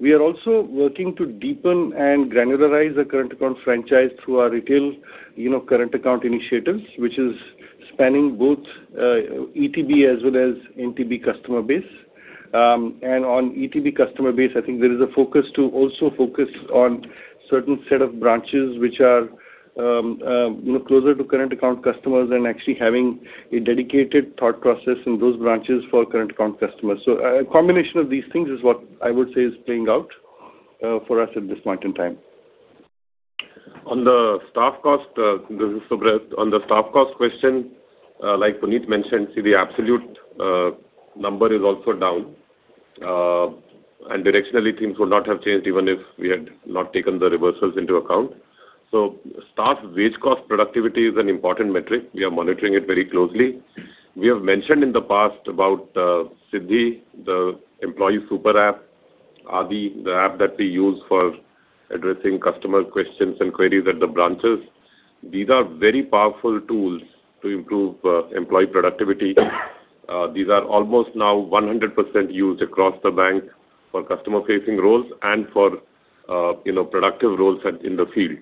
We are also working to deepen and granularize the current account franchise through our retail current account initiatives, which is spanning both ETB as well as NTB customer base. On ETB customer base, I think there is a focus to also focus on a certain set of branches which are closer to current account customers and actually having a dedicated thought process in those branches for current account customers. So a combination of these things is what I would say is playing out for us at this point in time.
On the staff cost, this is Subrat. On the staff cost question, like Puneet mentioned, see, the absolute number is also down, and directionally, things would not have changed even if we had not taken the reversals into account. So staff wage cost productivity is an important metric. We are monitoring it very closely. We have mentioned in the past about Siddhi, the Employee Super App, Adi, the app that we use for addressing customer questions and queries at the branches. These are very powerful tools to improve employee productivity. These are almost now 100% used across the bank for customer-facing roles and for productive roles in the field.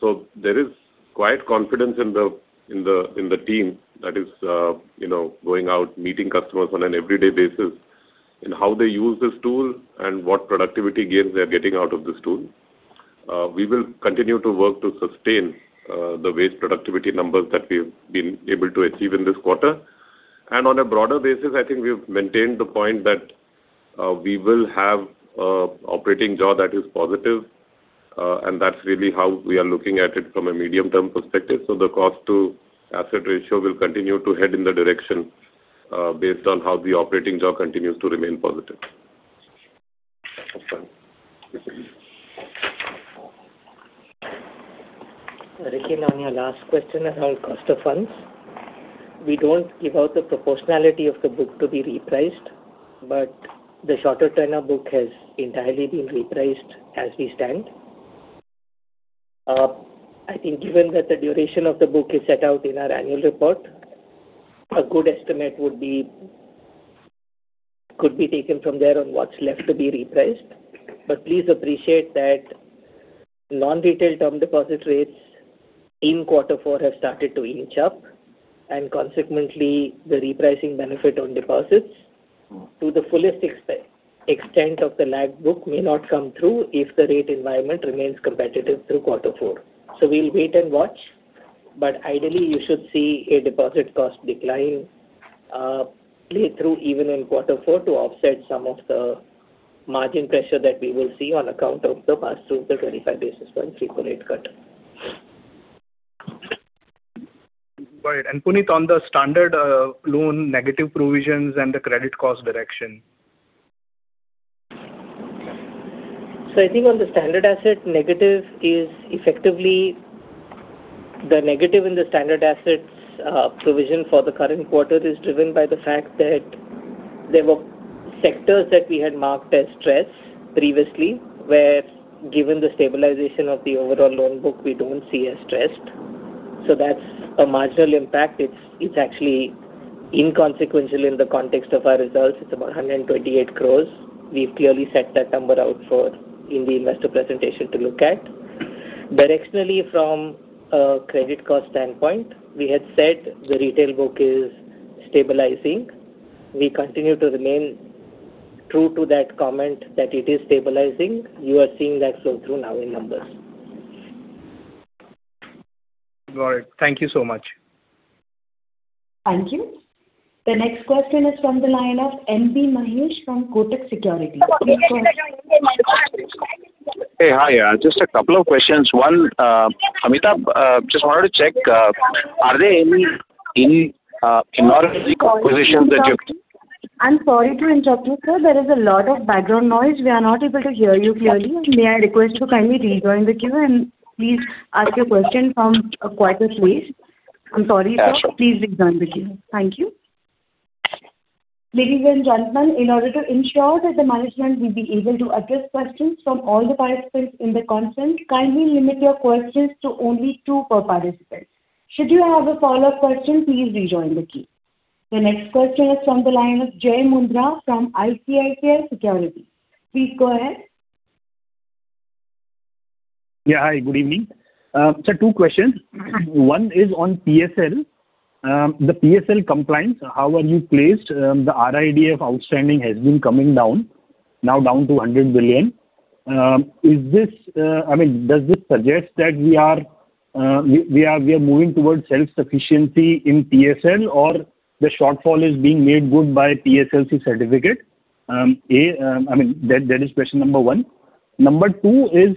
So there is quite confidence in the team that is going out, meeting customers on an everyday basis in how they use this tool and what productivity gains they are getting out of this tool. We will continue to work to sustain the wage productivity numbers that we've been able to achieve in this quarter. And on a broader basis, I think we've maintained the point that we will have an operating jaws that is positive, and that's really how we are looking at it from a medium-term perspective. So the cost-to-asset ratio will continue to head in the direction based on how the operating jaws continues to remain positive.
Rikin, on your last question about cost of funds, we don't give out the proportionality of the book to be repriced, but the shorter-term book has entirely been repriced as we stand. I think given that the duration of the book is set out in our annual report, a good estimate could be taken from there on what's left to be repriced. But please appreciate that non-retail term deposit rates in quarter four have started to inch up, and consequently, the repricing benefit on deposits to the fullest extent of the lag book may not come through if the rate environment remains competitive through quarter four. So we'll wait and watch, but ideally, you should see a deposit cost decline play through even in quarter four to offset some of the margin pressure that we will see on account of the past 2 to 25 basis points required cut.
Got it. And Puneet, on the standard loan negative provisions and the credit cost direction?
So I think on the standard asset negative is effectively the negative in the standard assets provision for the current quarter is driven by the fact that there were sectors that we had marked as stressed previously where, given the stabilization of the overall loan book, we don't see as stressed. So that's a marginal impact. It's actually inconsequential in the context of our results. It's about 128 crore. We've clearly set that number out in the investor presentation to look at. Directionally, from a credit cost standpoint, we had said the retail book is stabilizing. We continue to remain true to that comment that it is stabilizing. You are seeing that flow through now in numbers.
Got it. Thank you so much.
Thank you. The next question is from the line of M.B. Mahesh from Kotak Securities.
Hey, hi. Just a couple of questions. One, Amitabh, just wanted to check, are there any positions that you?
I'm sorry to interrupt you, sir. There is a lot of background noise. We are not able to hear you clearly. May I request to kindly rejoin with you and please ask your question from quieter place? I'm sorry, sir. Please rejoin with you. Thank you. Ladies and gentlemen, in order to ensure that the management will be able to address questions from all the participants in the conference, kindly limit your questions to only two per participant. Should you have a follow-up question, please rejoin with you. The next question is from the line of Jai Mundhra from ICICI Securities. Please go ahead.
Yeah, hi. Good evening. Sir, two questions. One is on PSL. The PSL compliance, how are you placed? The RIDF outstanding has been coming down, now down to 100 billion. I mean, does this suggest that we are moving towards self-sufficiency in PSL, or the shortfall is being made good by PSLC certificate? I mean, that is question number one. Number two is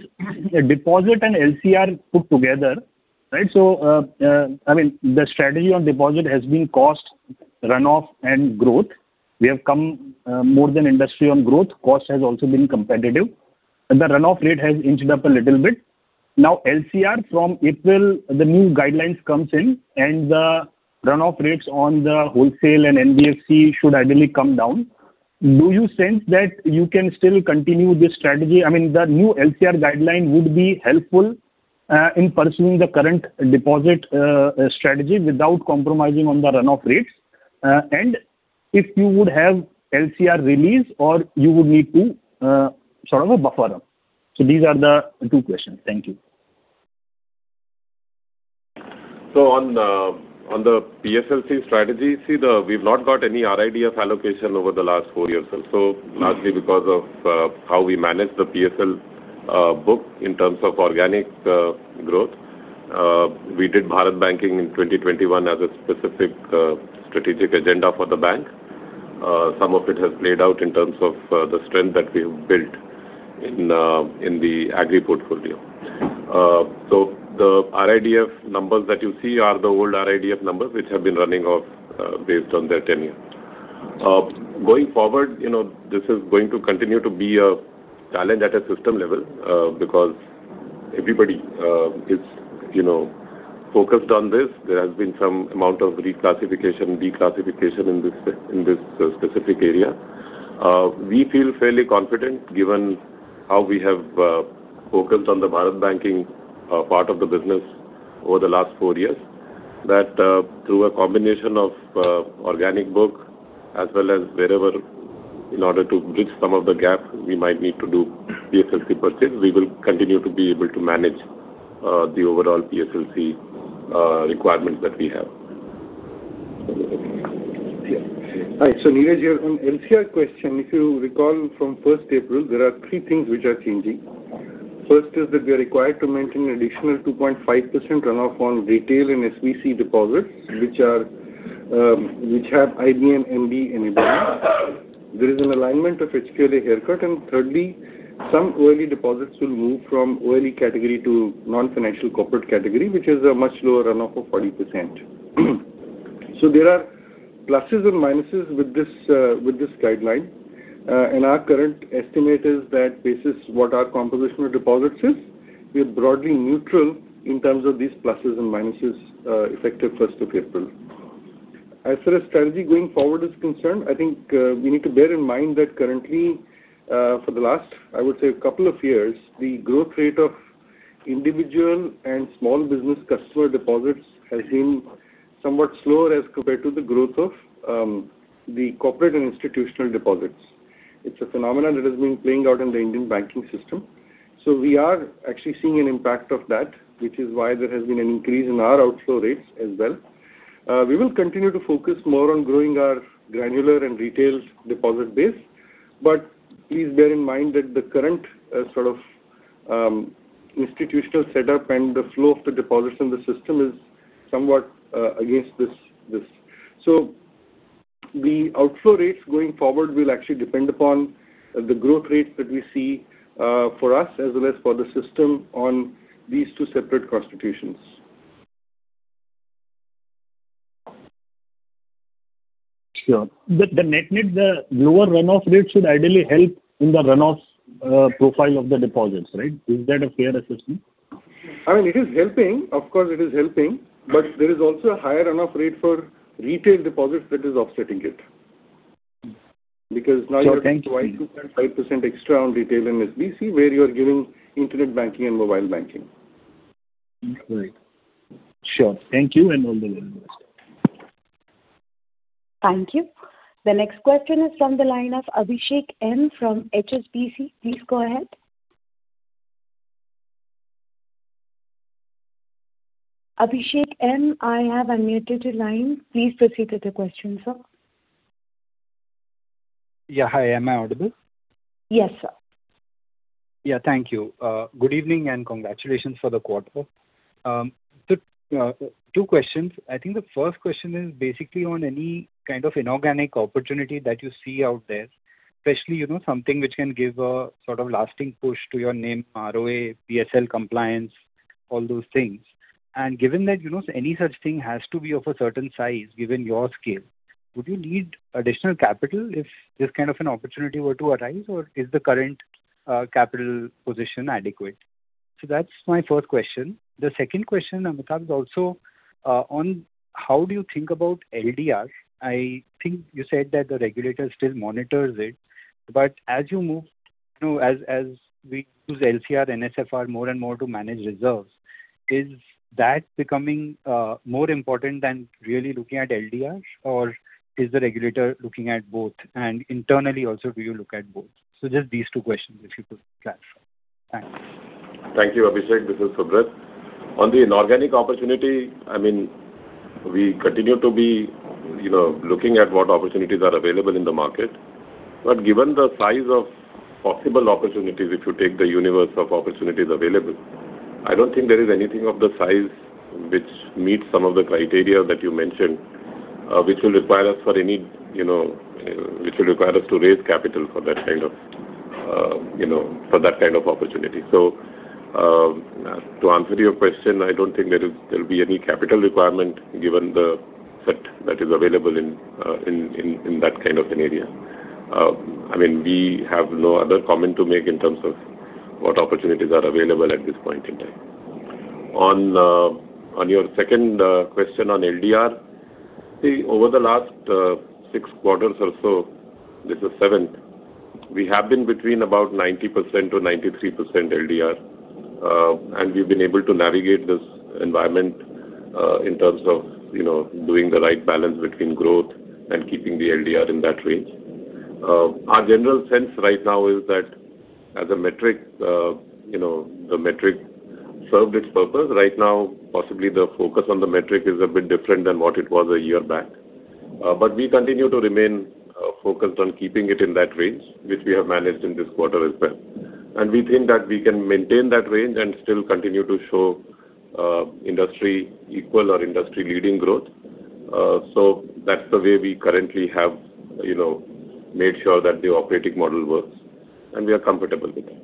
deposit and LCR put together, right? So I mean, the strategy on deposit has been cost, runoff, and growth. We have come more than industry on growth. Cost has also been competitive. The runoff rate has inched up a little bit. Now, LCR from April, the new guidelines comes in, and the runoff rates on the wholesale and NBFC should ideally come down. Do you sense that you can still continue this strategy? I mean, the new LCR guideline would be helpful in pursuing the current deposit strategy without compromising on the runoff rates. And if you would have LCR release, or you would need to sort of a buffer? So these are the two questions. Thank you.
So on the PSLC strategy, see, we've not got any RIDF allocation over the last four years or so. So largely because of how we manage the PSL book in terms of organic growth. We did Bharat Banking in 2021 as a specific strategic agenda for the bank. Some of it has played out in terms of the strength that we have built in the agri portfolio. So the RIDF numbers that you see are the old RIDF numbers which have been running off based on their tenure. Going forward, this is going to continue to be a challenge at a system level because everybody is focused on this. There has been some amount of reclassification, declassification in this specific area. We feel fairly confident given how we have focused on the Bharat Banking part of the business over the last four years that through a combination of organic book as well as wherever, in order to bridge some of the gap, we might need to do PSLC purchase, we will continue to be able to manage the overall PSLC requirements that we have.
All right. So Neeraj, on LCR question, if you recall from 1st April, there are three things which are changing. First is that we are required to maintain an additional 2.5% runoff on retail and SBC deposits which have IB, MB. There is an alignment of HQLA haircut. And thirdly, some OLE deposits will move from OLE category to non-financial corporate category, which has a much lower runoff of 40%. So there are pluses and minuses with this guideline. Our current estimate is that basis what our composition of deposits is. We are broadly neutral in terms of these pluses and minuses effective 1st of April. As for a strategy going forward is concerned, I think we need to bear in mind that currently, for the last, I would say, a couple of years, the growth rate of individual and small business customer deposits has been somewhat slower as compared to the growth of the corporate and institutional deposits. It's a phenomenon that has been playing out in the Indian banking system. So we are actually seeing an impact of that, which is why there has been an increase in our outflow rates as well. We will continue to focus more on growing our granular and retail deposit base. But please bear in mind that the current sort of institutional setup and the flow of the deposits in the system is somewhat against this. So the outflow rates going forward will actually depend upon the growth rates that we see for us as well as for the system on these two separate constituents.
Sure. But the net net, the lower runoff rate should ideally help in the runoff profile of the deposits, right? Is that a fair assessment?
I mean, it is helping. Of course, it is helping. But there is also a higher runoff rate for retail deposits that is offsetting it. Because now you have to provide 2.5% extra on retail and SBC where you are giving internet banking and mobile banking.
Right. Sure. Thank you and all the best wishes.
Thank you. The next question is from the line of Abhishek M from HSBC. Please go ahead. Abhishek M, I have unmuted your line. Please proceed with the question, sir.
Yeah, hi. Am I audible? Yes, sir. Yeah, thank you. Good evening and congratulations for the quarter. Two questions. I think the first question is basically on any kind of inorganic opportunity that you see out there, especially something which can give a sort of lasting push to your NIM, ROA, PSL compliance, all those things. And given that any such thing has to be of a certain size, given your scale, would you need additional capital if this kind of an opportunity were to arise, or is the current capital position adequate? So that's my first question. The second question, Amitabh, is also on how do you think about LDR? I think you said that the regulator still monitors it. But as you move, as we use LCR, NSFR more and more to manage reserves, is that becoming more important than really looking at LDR, or is the regulator looking at both? And internally also, do you look at both? So just these two questions, if you could clarify. Thanks.
Thank you, Abhishek. This is Subrat. On the inorganic opportunity, I mean, we continue to be looking at what opportunities are available in the market. But given the size of possible opportunities, if you take the universe of opportunities available, I don't think there is anything of the size which meets some of the criteria that you mentioned, which will require us for any which will require us to raise capital for that kind of for that kind of opportunity. So to answer your question, I don't think there will be any capital requirement given the set that is available in that kind of an area. I mean, we have no other comment to make in terms of what opportunities are available at this point in time. On your second question on LDR, see, over the last 6 quarters or so, this is seventh, we have been between about 90%-93% LDR, and we've been able to navigate this environment in terms of doing the right balance between growth and keeping the LDR in that range. Our general sense right now is that as a metric, the metric served its purpose. Right now, possibly the focus on the metric is a bit different than what it was a year back. But we continue to remain focused on keeping it in that range, which we have managed in this quarter as well. And we think that we can maintain that range and still continue to show industry equal or industry leading growth. So that's the way we currently have made sure that the operating model works, and we are comfortable with that.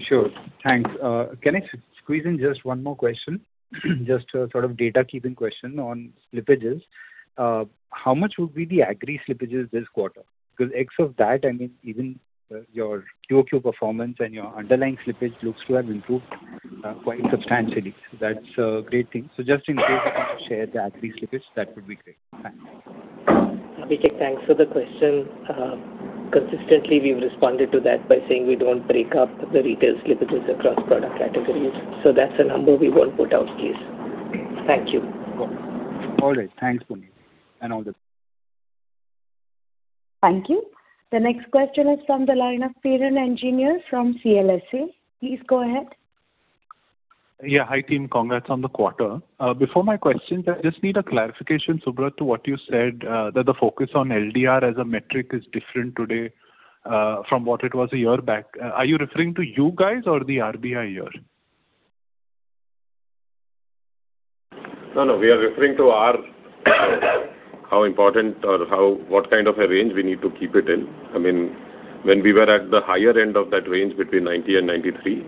Sure. Thanks. Can I squeeze in just one more question? Just a sort of data-keeping question on slippages. How much would be the agri slippages this quarter? Because X of that, I mean, even your QoQ performance and your underlying slippage looks to have improved quite substantially. So that's a great thing. So just in case you can share the agri slippage, that would be great. Thanks.
Abhishek, thanks for the question. Consistently, we've responded to that by saying we don't break up the retail slippages across product categories. So that's a number we won't put out, please. Thank you.
All right. Thanks, Puneet, and all the best.
Thank you. The next question is from the line of Piran Engineer from CLSA. Please go ahead.
Yeah, hi team. Congrats on the quarter. Before my questions, I just need a clarification, Subrat, to what you said that the focus on LDR as a metric is different today from what it was a year back. Are you referring to you guys or the RBI year?
No, no. We are referring to how important or what kind of a range we need to keep it in. I mean, when we were at the higher end of that range between 90 and 93,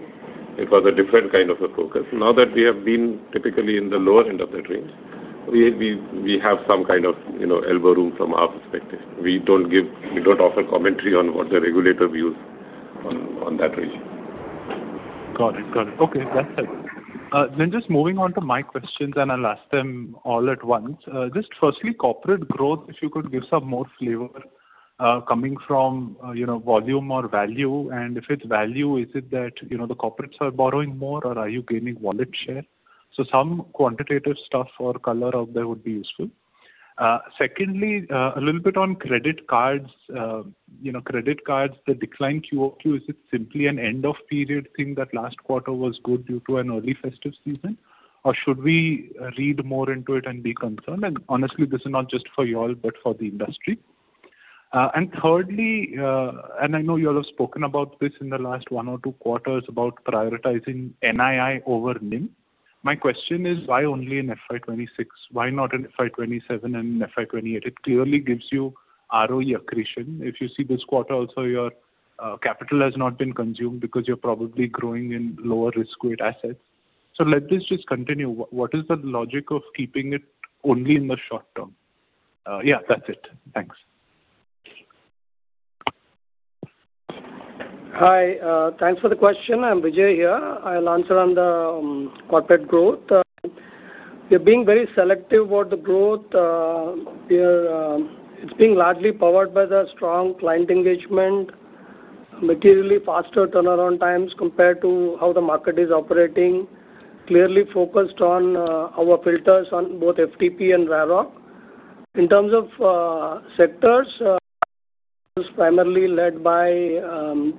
it was a different kind of a focus. Now that we have been typically in the lower end of that range, we have some kind of elbow room from our perspective. We don't offer commentary on what the regulator views on that range.
Got it. Got it. Okay. That's helpful. Then just moving on to my questions, and I'll ask them all at once. Just firstly, corporate growth, if you could give some more flavor coming from volume or value. And if it's value, is it that the corporates are borrowing more, or are you gaining wallet share? So some quantitative stuff or color out there would be useful. Secondly, a little bit on credit cards. Credit cards, the declined QoQ, is it simply an end-of-period thing that last quarter was good due to an early festive season? Or should we read more into it and be concerned? And honestly, this is not just for you all, but for the industry. And thirdly, and I know you all have spoken about this in the last one or two quarters about prioritizing NII over NIM. My question is, why only a FY 2026? Why not a FY 2027 and a FY 2028? It clearly gives you ROE accretion. If you see this quarter also, your capital has not been consumed because you're probably growing in lower risk-weight assets. So let this just continue. What is the logic of keeping it only in the short term? Yeah, that's it. Thanks.
Hi. Thanks for the question. I'm Vijay here. I'll answer on the corporate growth. We are being very selective about the growth. It's being largely powered by the strong client engagement, materially faster turnaround times compared to how the market is operating. Clearly focused on our filters on both FTP and RAROC. In terms of sectors, primarily led by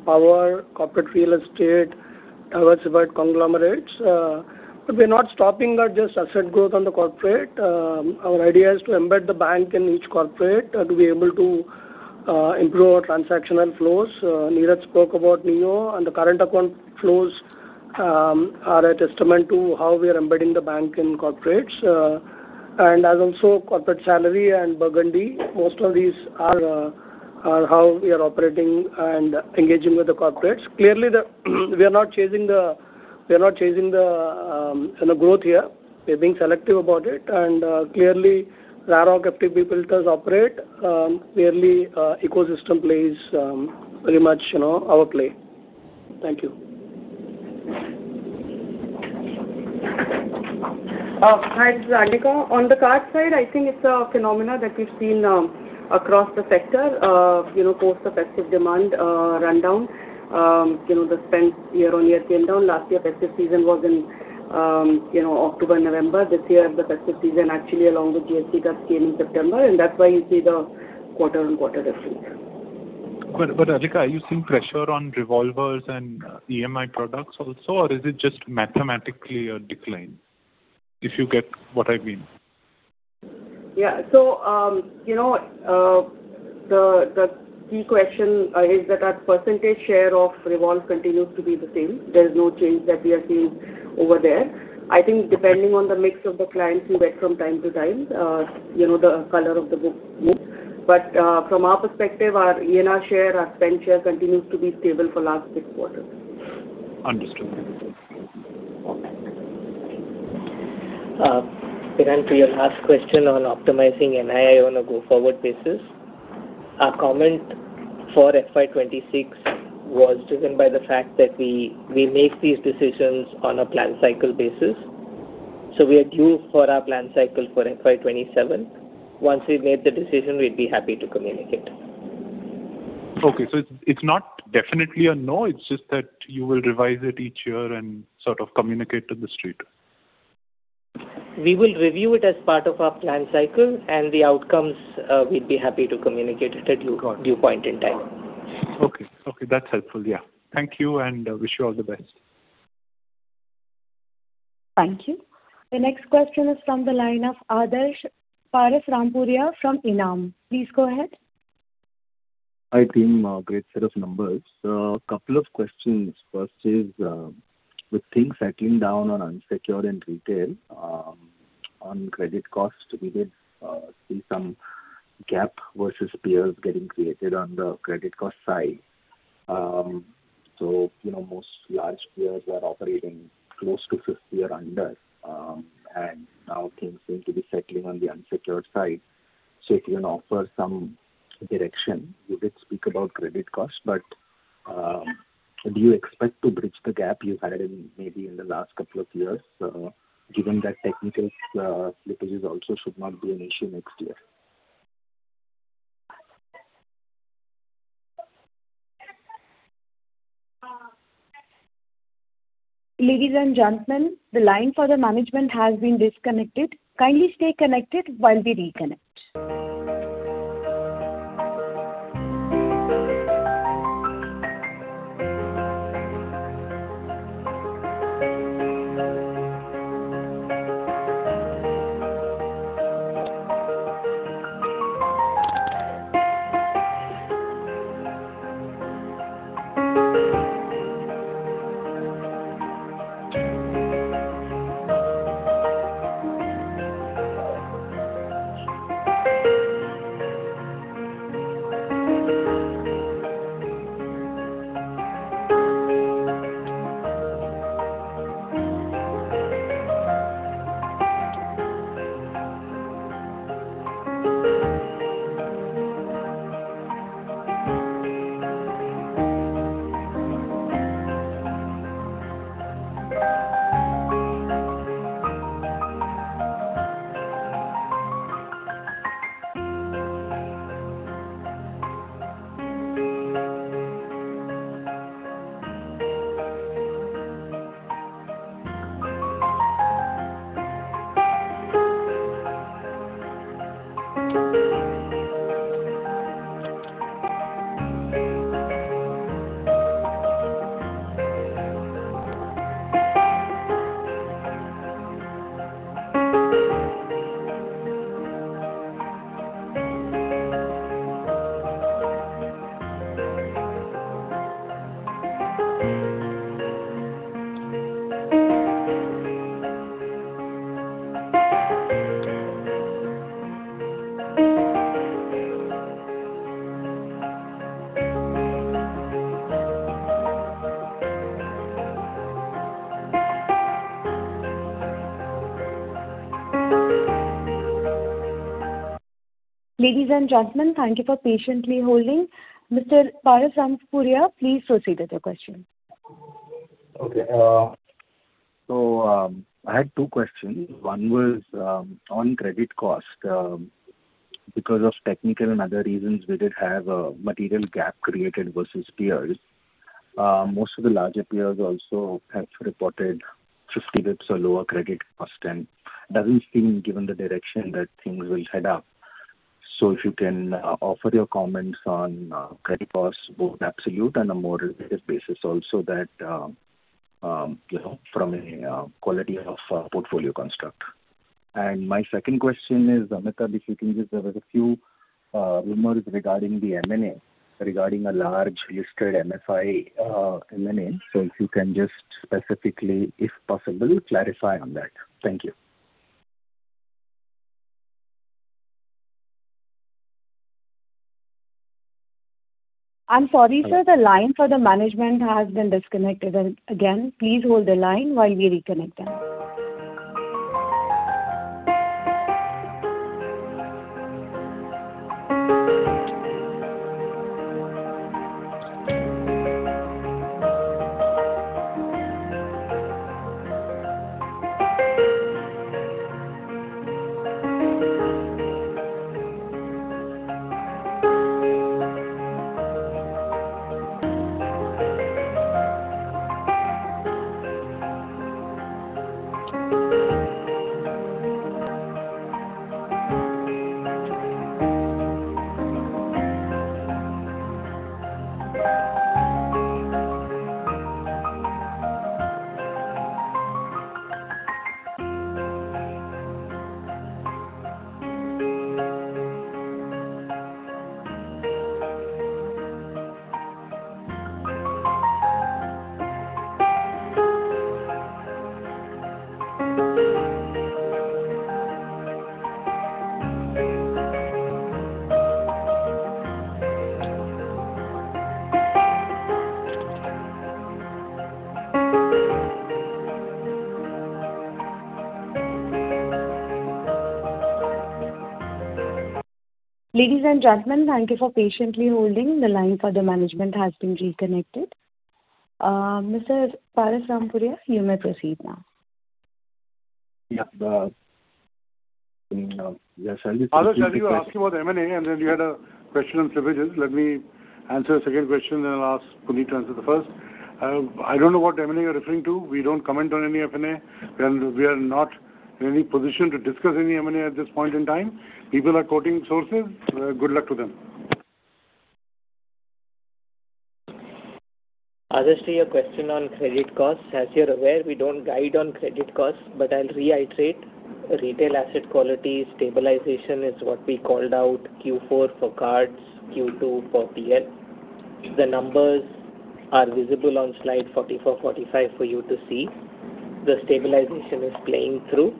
power, corporate real estate, diversified conglomerates. But we're not stopping at just asset growth on the corporate. Our idea is to embed the bank in each corporate to be able to improve our transactional flows. Neeraj spoke about NEO, and the current account flows are a testament to how we are embedding the bank in corporates. And as also corporate salary and Burgundy, most of these are how we are operating and engaging with the corporates. Clearly, we are not chasing the growth here. We're being selective about it. And clearly, RAROC FTP filters operate. Clearly, ecosystem plays very much our play. Thank you.
Hi. This is Arnika. On the card side, I think it's a phenomena that we've seen across the sector post the festive demand rundown. The spend year-on-year came down. Last year, festive season was in October, November. This year, the festive season actually along with GST cuts came in September. And that's why you see the quarter-on-quarter difference.
But Arnika, are you seeing pressure on revolvers and EMI products also, or is it just mathematically a decline? If you get what I mean.
Yeah. So the key question is that our percentage share of revolve continues to be the same. There's no change that we are seeing over there. I think depending on the mix of the clients you get from time to time, the color of the book. But from our perspective, our ENR share, our spend share continues to be stable for last six quarters.
Understood. Okay.
Then to your last question on optimizing NII on a go-forward basis, our comment for FY 2026 was driven by the fact that we make these decisions on a plan cycle basis. So we are due for our plan cycle for FY 2027. Once we've made the decision, we'd be happy to communicate.
Okay. So it's not definitely a no. It's just that you will revise it each year and sort of communicate to the street.
We will review it as part of our plan cycle, and the outcomes, we'd be happy to communicate at your point in time. Okay. Okay. That's helpful. Yeah. Thank you and wish you all the best.
Thank you. The next question is from the line of Adarsh Parasrampuria from Enam. Please go ahead.
Hi team. Great set of numbers. A couple of questions. First is with things settling down on unsecured and retail, on credit cost, we did see some gap versus peers getting created on the credit cost side. So most large peers are operating close to fifth-year under, and now things seem to be settling on the unsecured side. So if you can offer some direction, you did speak about credit cost, but do you expect to bridge the gap you've had maybe in the last couple of years given that technical slippages also should not be an issue next year?
Ladies and gentlemen, the line for the management has been disconnected. Kindly stay connected while we reconnect. Ladies and gentlemen, thank you for patiently holding. Mr. Adarsh Parasrampuria, please proceed with your question.
Okay. So I had two questions. One was on credit cost. Because of technical and other reasons, we did have a material gap created versus peers. Most of the larger peers also have reported 50 basis points or lower credit cost, and it doesn't seem, given the direction that things will head up. So if you can offer your comments on credit cost, both absolute and a more relative basis also that from a quality of portfolio construct. And my second question is, Amitabh, if you can just give us a few rumors regarding the M&A, regarding a large listed MFI M&A. So if you can just specifically, if possible, clarify on that. Thank you.
I'm sorry, sir. The line for the management has been disconnected again. Please hold the line while we reconnect them. Ladies and gentlemen, thank you for patiently holding. The line for the management has been reconnected. Mr. Parasrampuria, you may proceed now.
Yeah. Yes, I'll just.
Hello, Adarsh. I'll ask you about M&A, and then you had a question on slippages. Let me answer a second question, then I'll ask Puneet to answer the first. I don't know what M&A you're referring to. We don't comment on any M&A. We are not in any position to discuss any M&A at this point in time. People are quoting sources. Good luck to them.
Adarsh, to your question on credit cost, as you're aware, we don't guide on credit cost, but I'll reiterate. Retail asset quality stabilization is what we called out Q4 for cards, Q2 for PL. The numbers are visible on slide 44-45 for you to see. The stabilization is playing through.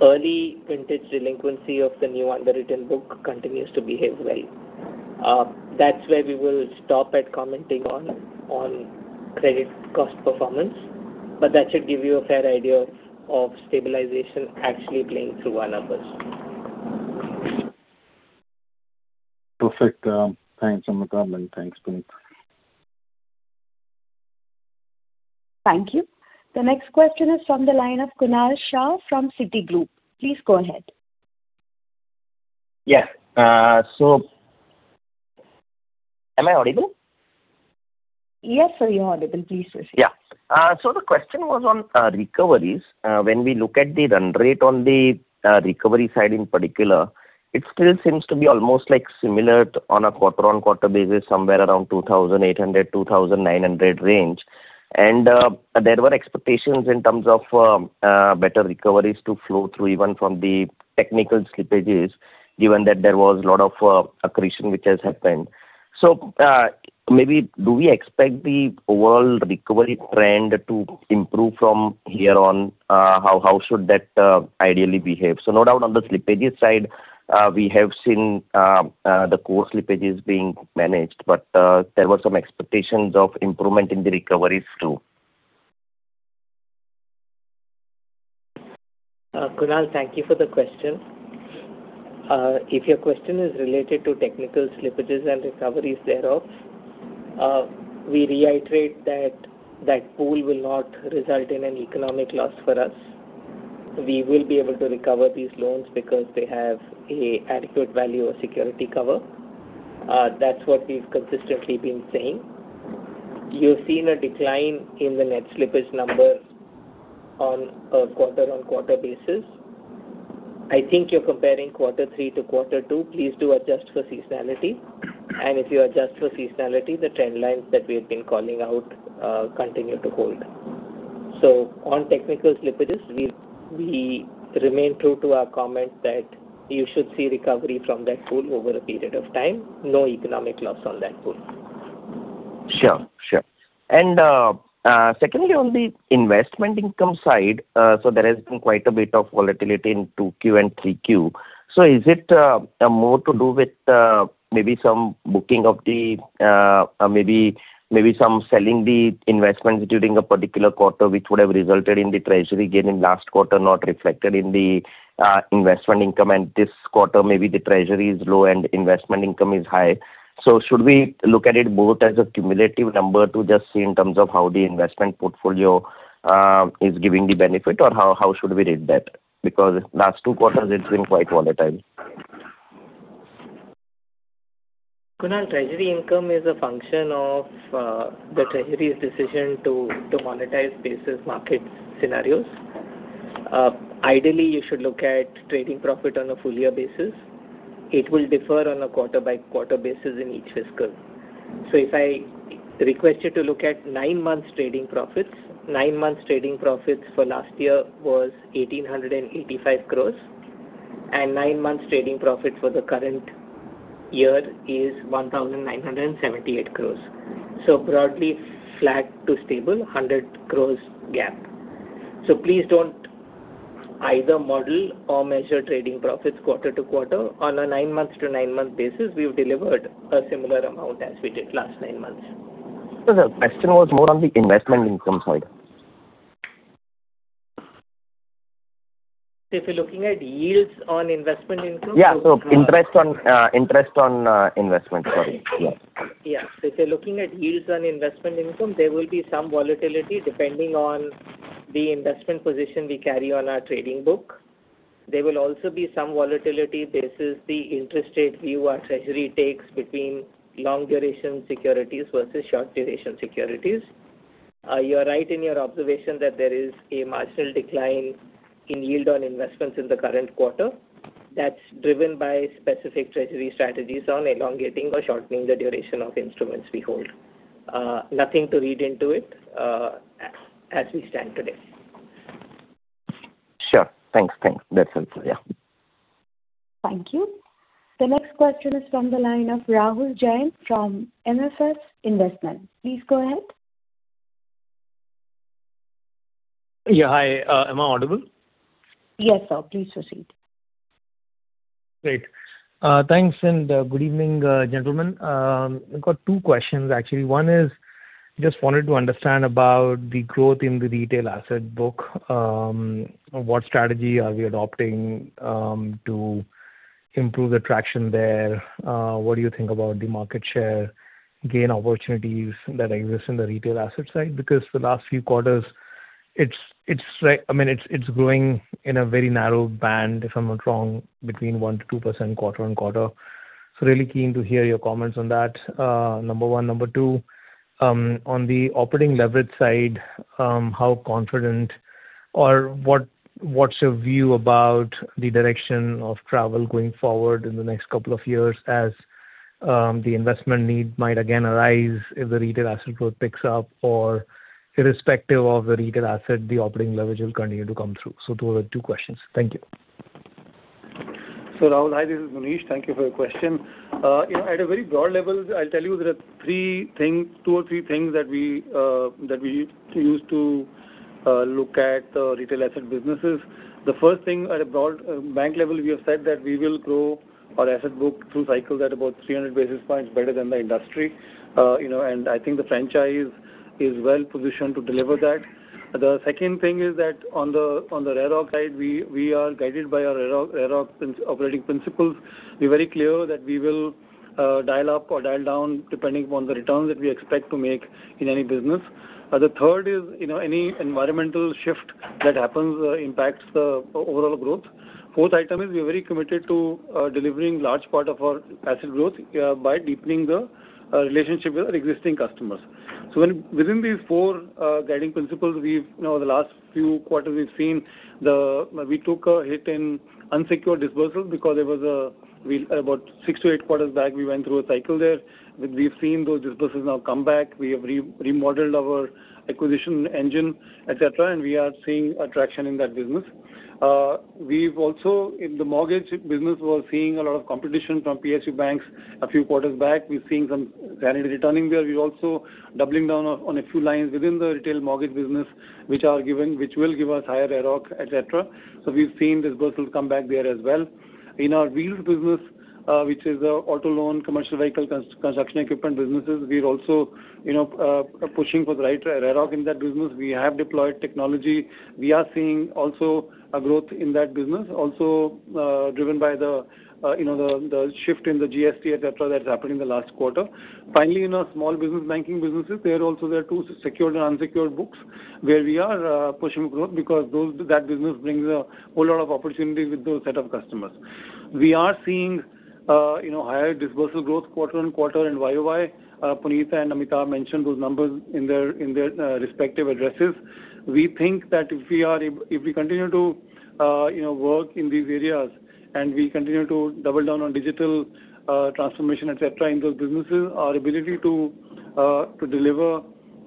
Early vintage delinquency of the new underwritten book continues to behave well. That's where we will stop at commenting on credit cost performance, but that should give you a fair idea of stabilization actually playing through our numbers.
Perfect. Thanks. I'm a gardener. Thanks, Puneet.
Thank you. The next question is from the line of Kunal Shah from Citigroup. Please go ahead.
Yes. So am I audible?
Yes, sir, you're audible. Please proceed.
Yeah. So the question was on recoveries. When we look at the run rate on the recovery side in particular, it still seems to be almost similar on a quarter-on-quarter basis, somewhere around 2,800-2,900 range. And there were expectations in terms of better recoveries to flow through even from the technical slippages, given that there was a lot of accretion which has happened. So maybe do we expect the overall recovery trend to improve from here on? How should that ideally behave? So no doubt on the slippages side, we have seen the core slippages being managed, but there were some expectations of improvement in the recoveries too.
Kunal, thank you for the question. If your question is related to technical slippages and recoveries thereof, we reiterate that that pool will not result in an economic loss for us. We will be able to recover these loans because they have an adequate value or security cover. That's what we've consistently been saying. You've seen a decline in the net slippage number on a quarter-on-quarter basis. I think you're comparing quarter three to quarter two. Please do adjust for seasonality. And if you adjust for seasonality, the trend lines that we have been calling out continue to hold. So on technical slippages, we remain true to our comment that you should see recovery from that pool over a period of time. No economic loss on that pool.
Sure. Sure. And secondly, on the investment income side, so there has been quite a bit of volatility in 2Q and 3Q. So is it more to do with maybe some booking of the maybe some selling the investments during a particular quarter, which would have resulted in the treasury gain in last quarter not reflected in the investment income? And this quarter, maybe the treasury is low and investment income is high. So should we look at it both as a cumulative number to just see in terms of how the investment portfolio is giving the benefit, or how should we read that? Because last two quarters, it's been quite volatile.
Kunal, treasury income is a function of the treasury's decision to monetize basis market scenarios. Ideally, you should look at trading profit on a full-year basis. It will differ on a quarter-by-quarter basis in each fiscal. So if I request you to look at nine months trading profits, nine months trading profits for last year was 1,885 crore, and nine months trading profits for the current year is 1,978 crore. So broadly flat to stable, 100 crore gap. So please don't either model or measure trading profits quarter to quarter. On a nine-month-to-nine-month basis, we've delivered a similar amount as we did last nine months.
So the question was more on the investment income side.
If you're looking at yields on investment income?
Yeah. So interest on investment. Sorry. Yes.
Yeah. So if you're looking at yields on investment income, there will be some volatility depending on the investment position we carry on our trading book. There will also be some volatility basis the interest rate view our treasury takes between long-duration securities versus short-duration securities. You're right in your observation that there is a marginal decline in yield on investments in the current quarter. That's driven by specific treasury strategies on elongating or shortening the duration of instruments we hold. Nothing to read into it as we stand today.
Sure. Thanks. Thanks. That's helpful. Yeah. Thank you. The next question is from the line of Rahul Jain from NSS Investment. Please go ahead.
Yeah. Hi. Am I audible?
Yes, sir. Please proceed.
Great. Thanks. Good evening, gentlemen. I've got two questions, actually. One is just wanted to understand about the growth in the retail asset book. What strategy are we adopting to improve the traction there? What do you think about the market share gain opportunities that exist in the retail asset side? Because the last few quarters, I mean, it's growing in a very narrow band, if I'm not wrong, between 1%-2% quarter-on-quarter. So really keen to hear your comments on that. Number one. Number two, on the operating leverage side, how confident or what's your view about the direction of travel going forward in the next couple of years as the investment need might again arise if the retail asset growth picks up, or irrespective of the retail asset, the operating leverage will continue to come through? So those are two questions. Thank you.
So Rahul, hi. This is Munish. Thank you for the question. At a very broad level, I'll tell you there are two or three things that we use to look at the retail asset businesses. The first thing, at a broad bank level, we have said that we will grow our asset book through cycles at about 300 basis points better than the industry. And I think the franchise is well-positioned to deliver that. The second thing is that on the RAROC side, we are guided by our RAROC operating principles. We're very clear that we will dial up or dial down depending upon the returns that we expect to make in any business. The third is any environmental shift that happens impacts the overall growth. Fourth item is we are very committed to delivering large part of our asset growth by deepening the relationship with our existing customers. So within these four guiding principles, over the last few quarters, we've seen we took a hit in unsecured disbursals because there was about 6-8 quarters back, we went through a cycle there. We've seen those disbursals now come back. We have remodeled our acquisition engine, etc., and we are seeing a traction in that business. We've also, in the mortgage business, was seeing a lot of competition from PSU banks a few quarters back. We're seeing some sanity returning there. We're also doubling down on a few lines within the retail mortgage business, which will give us higher RAROC, etc. So we've seen disbursals come back there as well. In our wheels business, which is auto loan, commercial vehicle construction equipment businesses, we're also pushing for the right RAROC in that business. We have deployed technology. We are seeing also a growth in that business, also driven by the shift in the GST, etc., that's happening in the last quarter. Finally, in our small business banking businesses, there are also two secured and unsecured books where we are pushing growth because that business brings a whole lot of opportunity with those set of customers. We are seeing higher disbursal growth quarter-on-quarter and YoY. Puneet and Amitabh mentioned those numbers in their respective addresses. We think that if we continue to work in these areas and we continue to double down on digital transformation, etc., in those businesses, our ability to deliver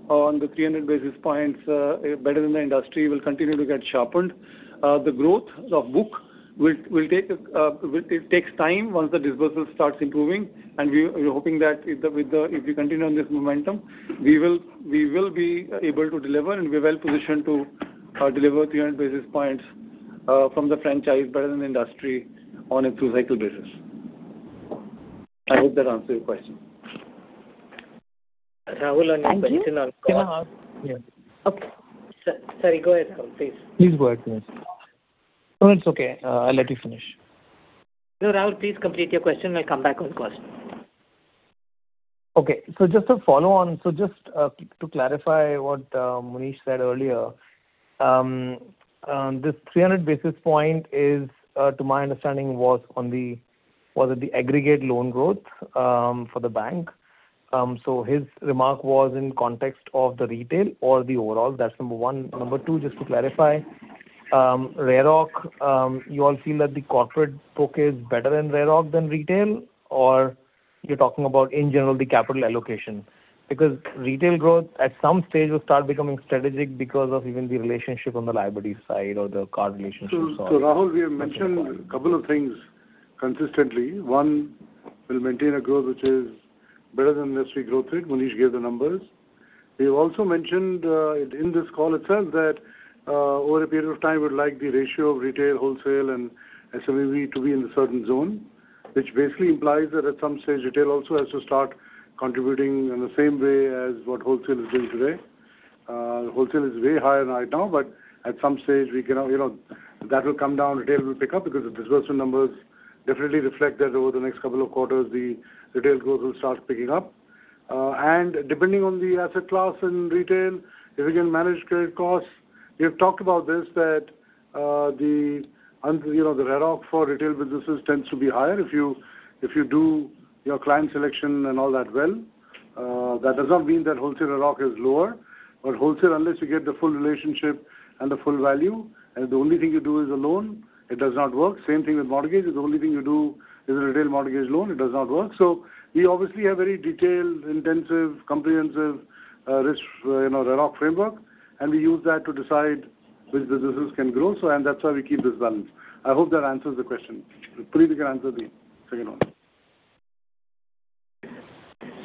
on the 300 basis points better than the industry will continue to get sharpened. The growth of book will take time once the disbursal starts improving. And we're hoping that if we continue on this momentum, we will be able to deliver and be well-positioned to deliver 300 basis points from the franchise better than the industry on a two-cycle basis. I hope that answers your question. Rahul and you, Puneet and Arun?
Yeah. Okay. Sorry. Go ahead, Rahul. Please. Please go ahead, Puneet. No, it's okay. I'll let you finish.
No, Rahul, please complete your question. I'll come back on call.
Okay. So just to follow on, so just to clarify what Munish said earlier, this 300 basis points is, to my understanding, was on the aggregate loan growth for the bank. So his remark was in context of the retail or the overall. That's number one. Number two, just to clarify, RAROC, you all feel that the corporate book is better in RAROC than retail, or you're talking about, in general, the capital allocation? Because retail growth at some stage will start becoming strategic because of even the relationship on the liability side or the CASA relationship.
So Rahul, we have mentioned a couple of things consistently. One will maintain a growth which is better than the industry growth rate. Puneet gave the numbers. We have also mentioned in this call itself that over a period of time, we would like the ratio of retail, wholesale, and SME to be in a certain zone, which basically implies that at some stage, retail also has to start contributing in the same way as what wholesale is doing today. Wholesale is way higher right now, but at some stage, we can that will come down. Retail will pick up because the disbursal numbers definitely reflect that over the next couple of quarters, the retail growth will start picking up. And depending on the asset class in retail, if we can manage credit costs, we have talked about this that the RAROC for retail businesses tends to be higher if you do your client selection and all that well. That does not mean that wholesale RAROC is lower. But wholesale, unless you get the full relationship and the full value, and the only thing you do is a loan, it does not work. Same thing with mortgage. The only thing you do is a retail mortgage loan. It does not work. So we obviously have very detailed, intensive, comprehensive RAROC framework, and we use that to decide which businesses can grow. And that's why we keep this balance. I hope that answers the question. Puneet, you can answer the second one.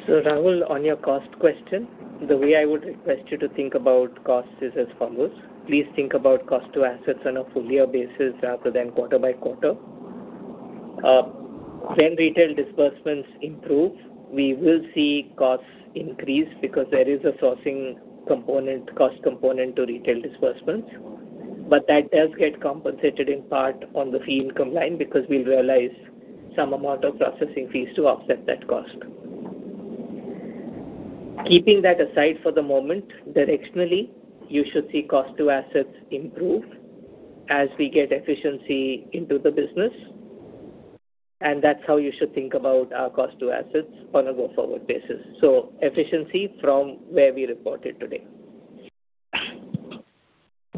So Rahul, on your cost question, the way I would request you to think about costs is as follows. Please think about cost to assets on a full-year basis rather than quarter by quarter. When retail disbursements improve, we will see costs increase because there is a sourcing component, cost component to retail disbursements. But that does get compensated in part on the fee income line because we'll realize some amount of processing fees to offset that cost. Keeping that aside for the moment, directionally, you should see cost to assets improve as we get efficiency into the business. That's how you should think about our cost to assets on a go-forward basis. So efficiency from where we reported today.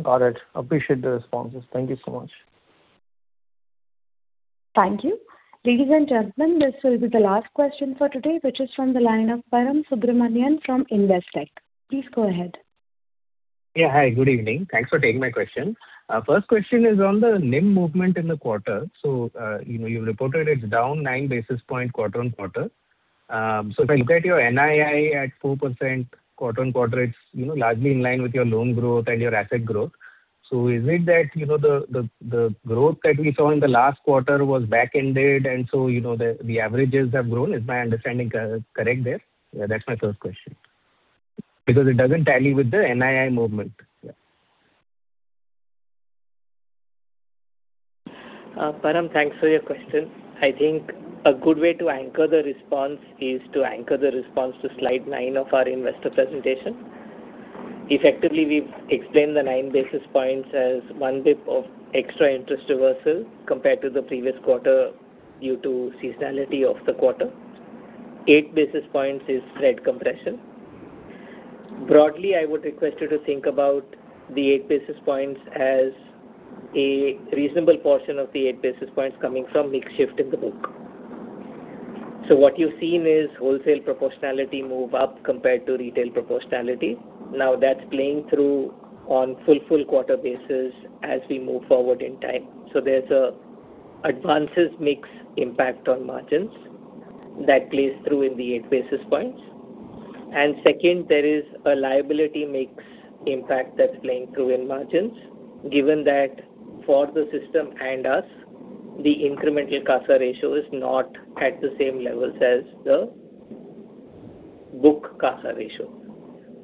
Got it. Appreciate the responses. Thank you so much.
Thank you. Ladies and gentlemen, this will be the last question for today, which is from the line of Param Subramanian from Investec. Please go ahead.
Yeah. Hi. Good evening. Thanks for taking my question. First question is on the NIM movement in the quarter. So you've reported it's down nine basis points quarter-on-quarter. So if I look at your NII at 4% quarter-on-quarter, it's largely in line with your loan growth and your asset growth. So is it that the growth that we saw in the last quarter was back-ended, and so the averages have grown? Is my understanding correct there? Yeah. That's my first question. Because it doesn't tally with the NII movement.
Param, thanks for your question. I think a good way to anchor the response is to anchor the response to slide nine of our investor presentation. Effectively, we've explained the 9 basis points as one basis point of extra interest reversal compared to the previous quarter due to seasonality of the quarter. Eight basis points is spread compression. Broadly, I would request you to think about the eight basis points as a reasonable portion of the eight basis points coming from mix shift in the book. So what you've seen is wholesale proportionality move up compared to retail proportionality. Now, that's playing through on full-full quarter basis as we move forward in time. So there's an advances mix impact on margins that plays through in the 8 basis points. And second, there is a liability mix impact that's playing through in margins. Given that for the system and us, the incremental CASA ratio is not at the same levels as the book CASA ratio.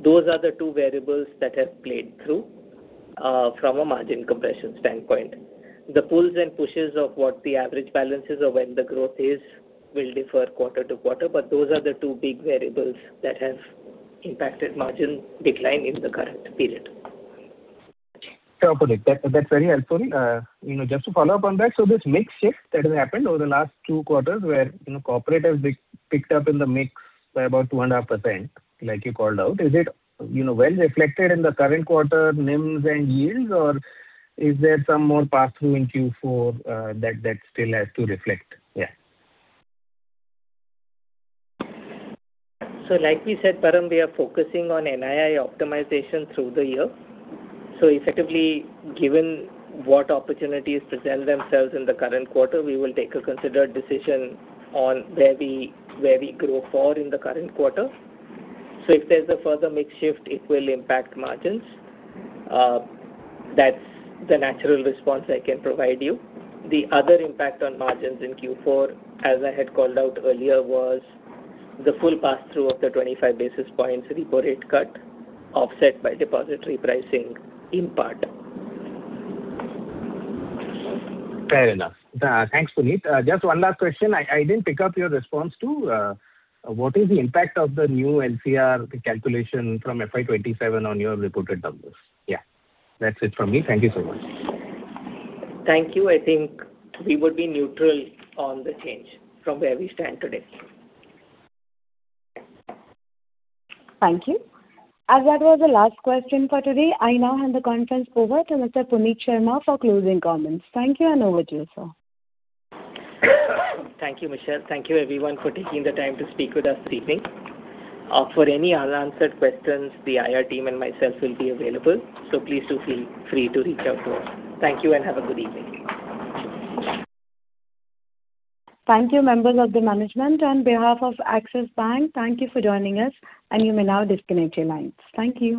Those are the two variables that have played through from a margin compression standpoint. The pulls and pushes of what the average balances or when the growth is will differ quarter to quarter, but those are the two big variables that have impacted margin decline in the current period.
Puneet, that's very helpful. Just to follow up on that, so this mix shift that has happened over the last two quarters where corporate has picked up in the mix by about 2.5%, like you called out, is it well reflected in the current quarter NIMs and yields, or is there some more pass-through in Q4 that still has to reflect? Yeah.
So like we said, Param, we are focusing on NII optimization through the year. So effectively, given what opportunities present themselves in the current quarter, we will take a considered decision on where we grow for in the current quarter. So if there's a further mix shift, it will impact margins. That's the natural response I can provide you. The other impact on margins in Q4, as I had called out earlier, was the full pass-through of the 25 basis points repo rate cut offset by depository pricing in part.
Fair enough. Thanks, Puneet. Just one last question. I didn't pick up your response too. What is the impact of the new LCR calculation from FY 2027 on your reported numbers? Yeah. That's it from me. Thank you so much.
Thank you. I think we would be neutral on the change from where we stand today.
Thank you. And that was the last question for today. I now hand the conference over to Mr. Puneet Sharma for closing comments. Thank you, and over to you, sir.
Thank you, Michelle. Thank you, everyone, for taking the time to speak with us this evening. For any unanswered questions, the IR team and myself will be available. So please do feel free to reach out to us. Thank you, and have a good evening.
Thank you, members of the management. On behalf of Axis Bank, thank you for joining us, and you may now disconnect your lines. Thank you.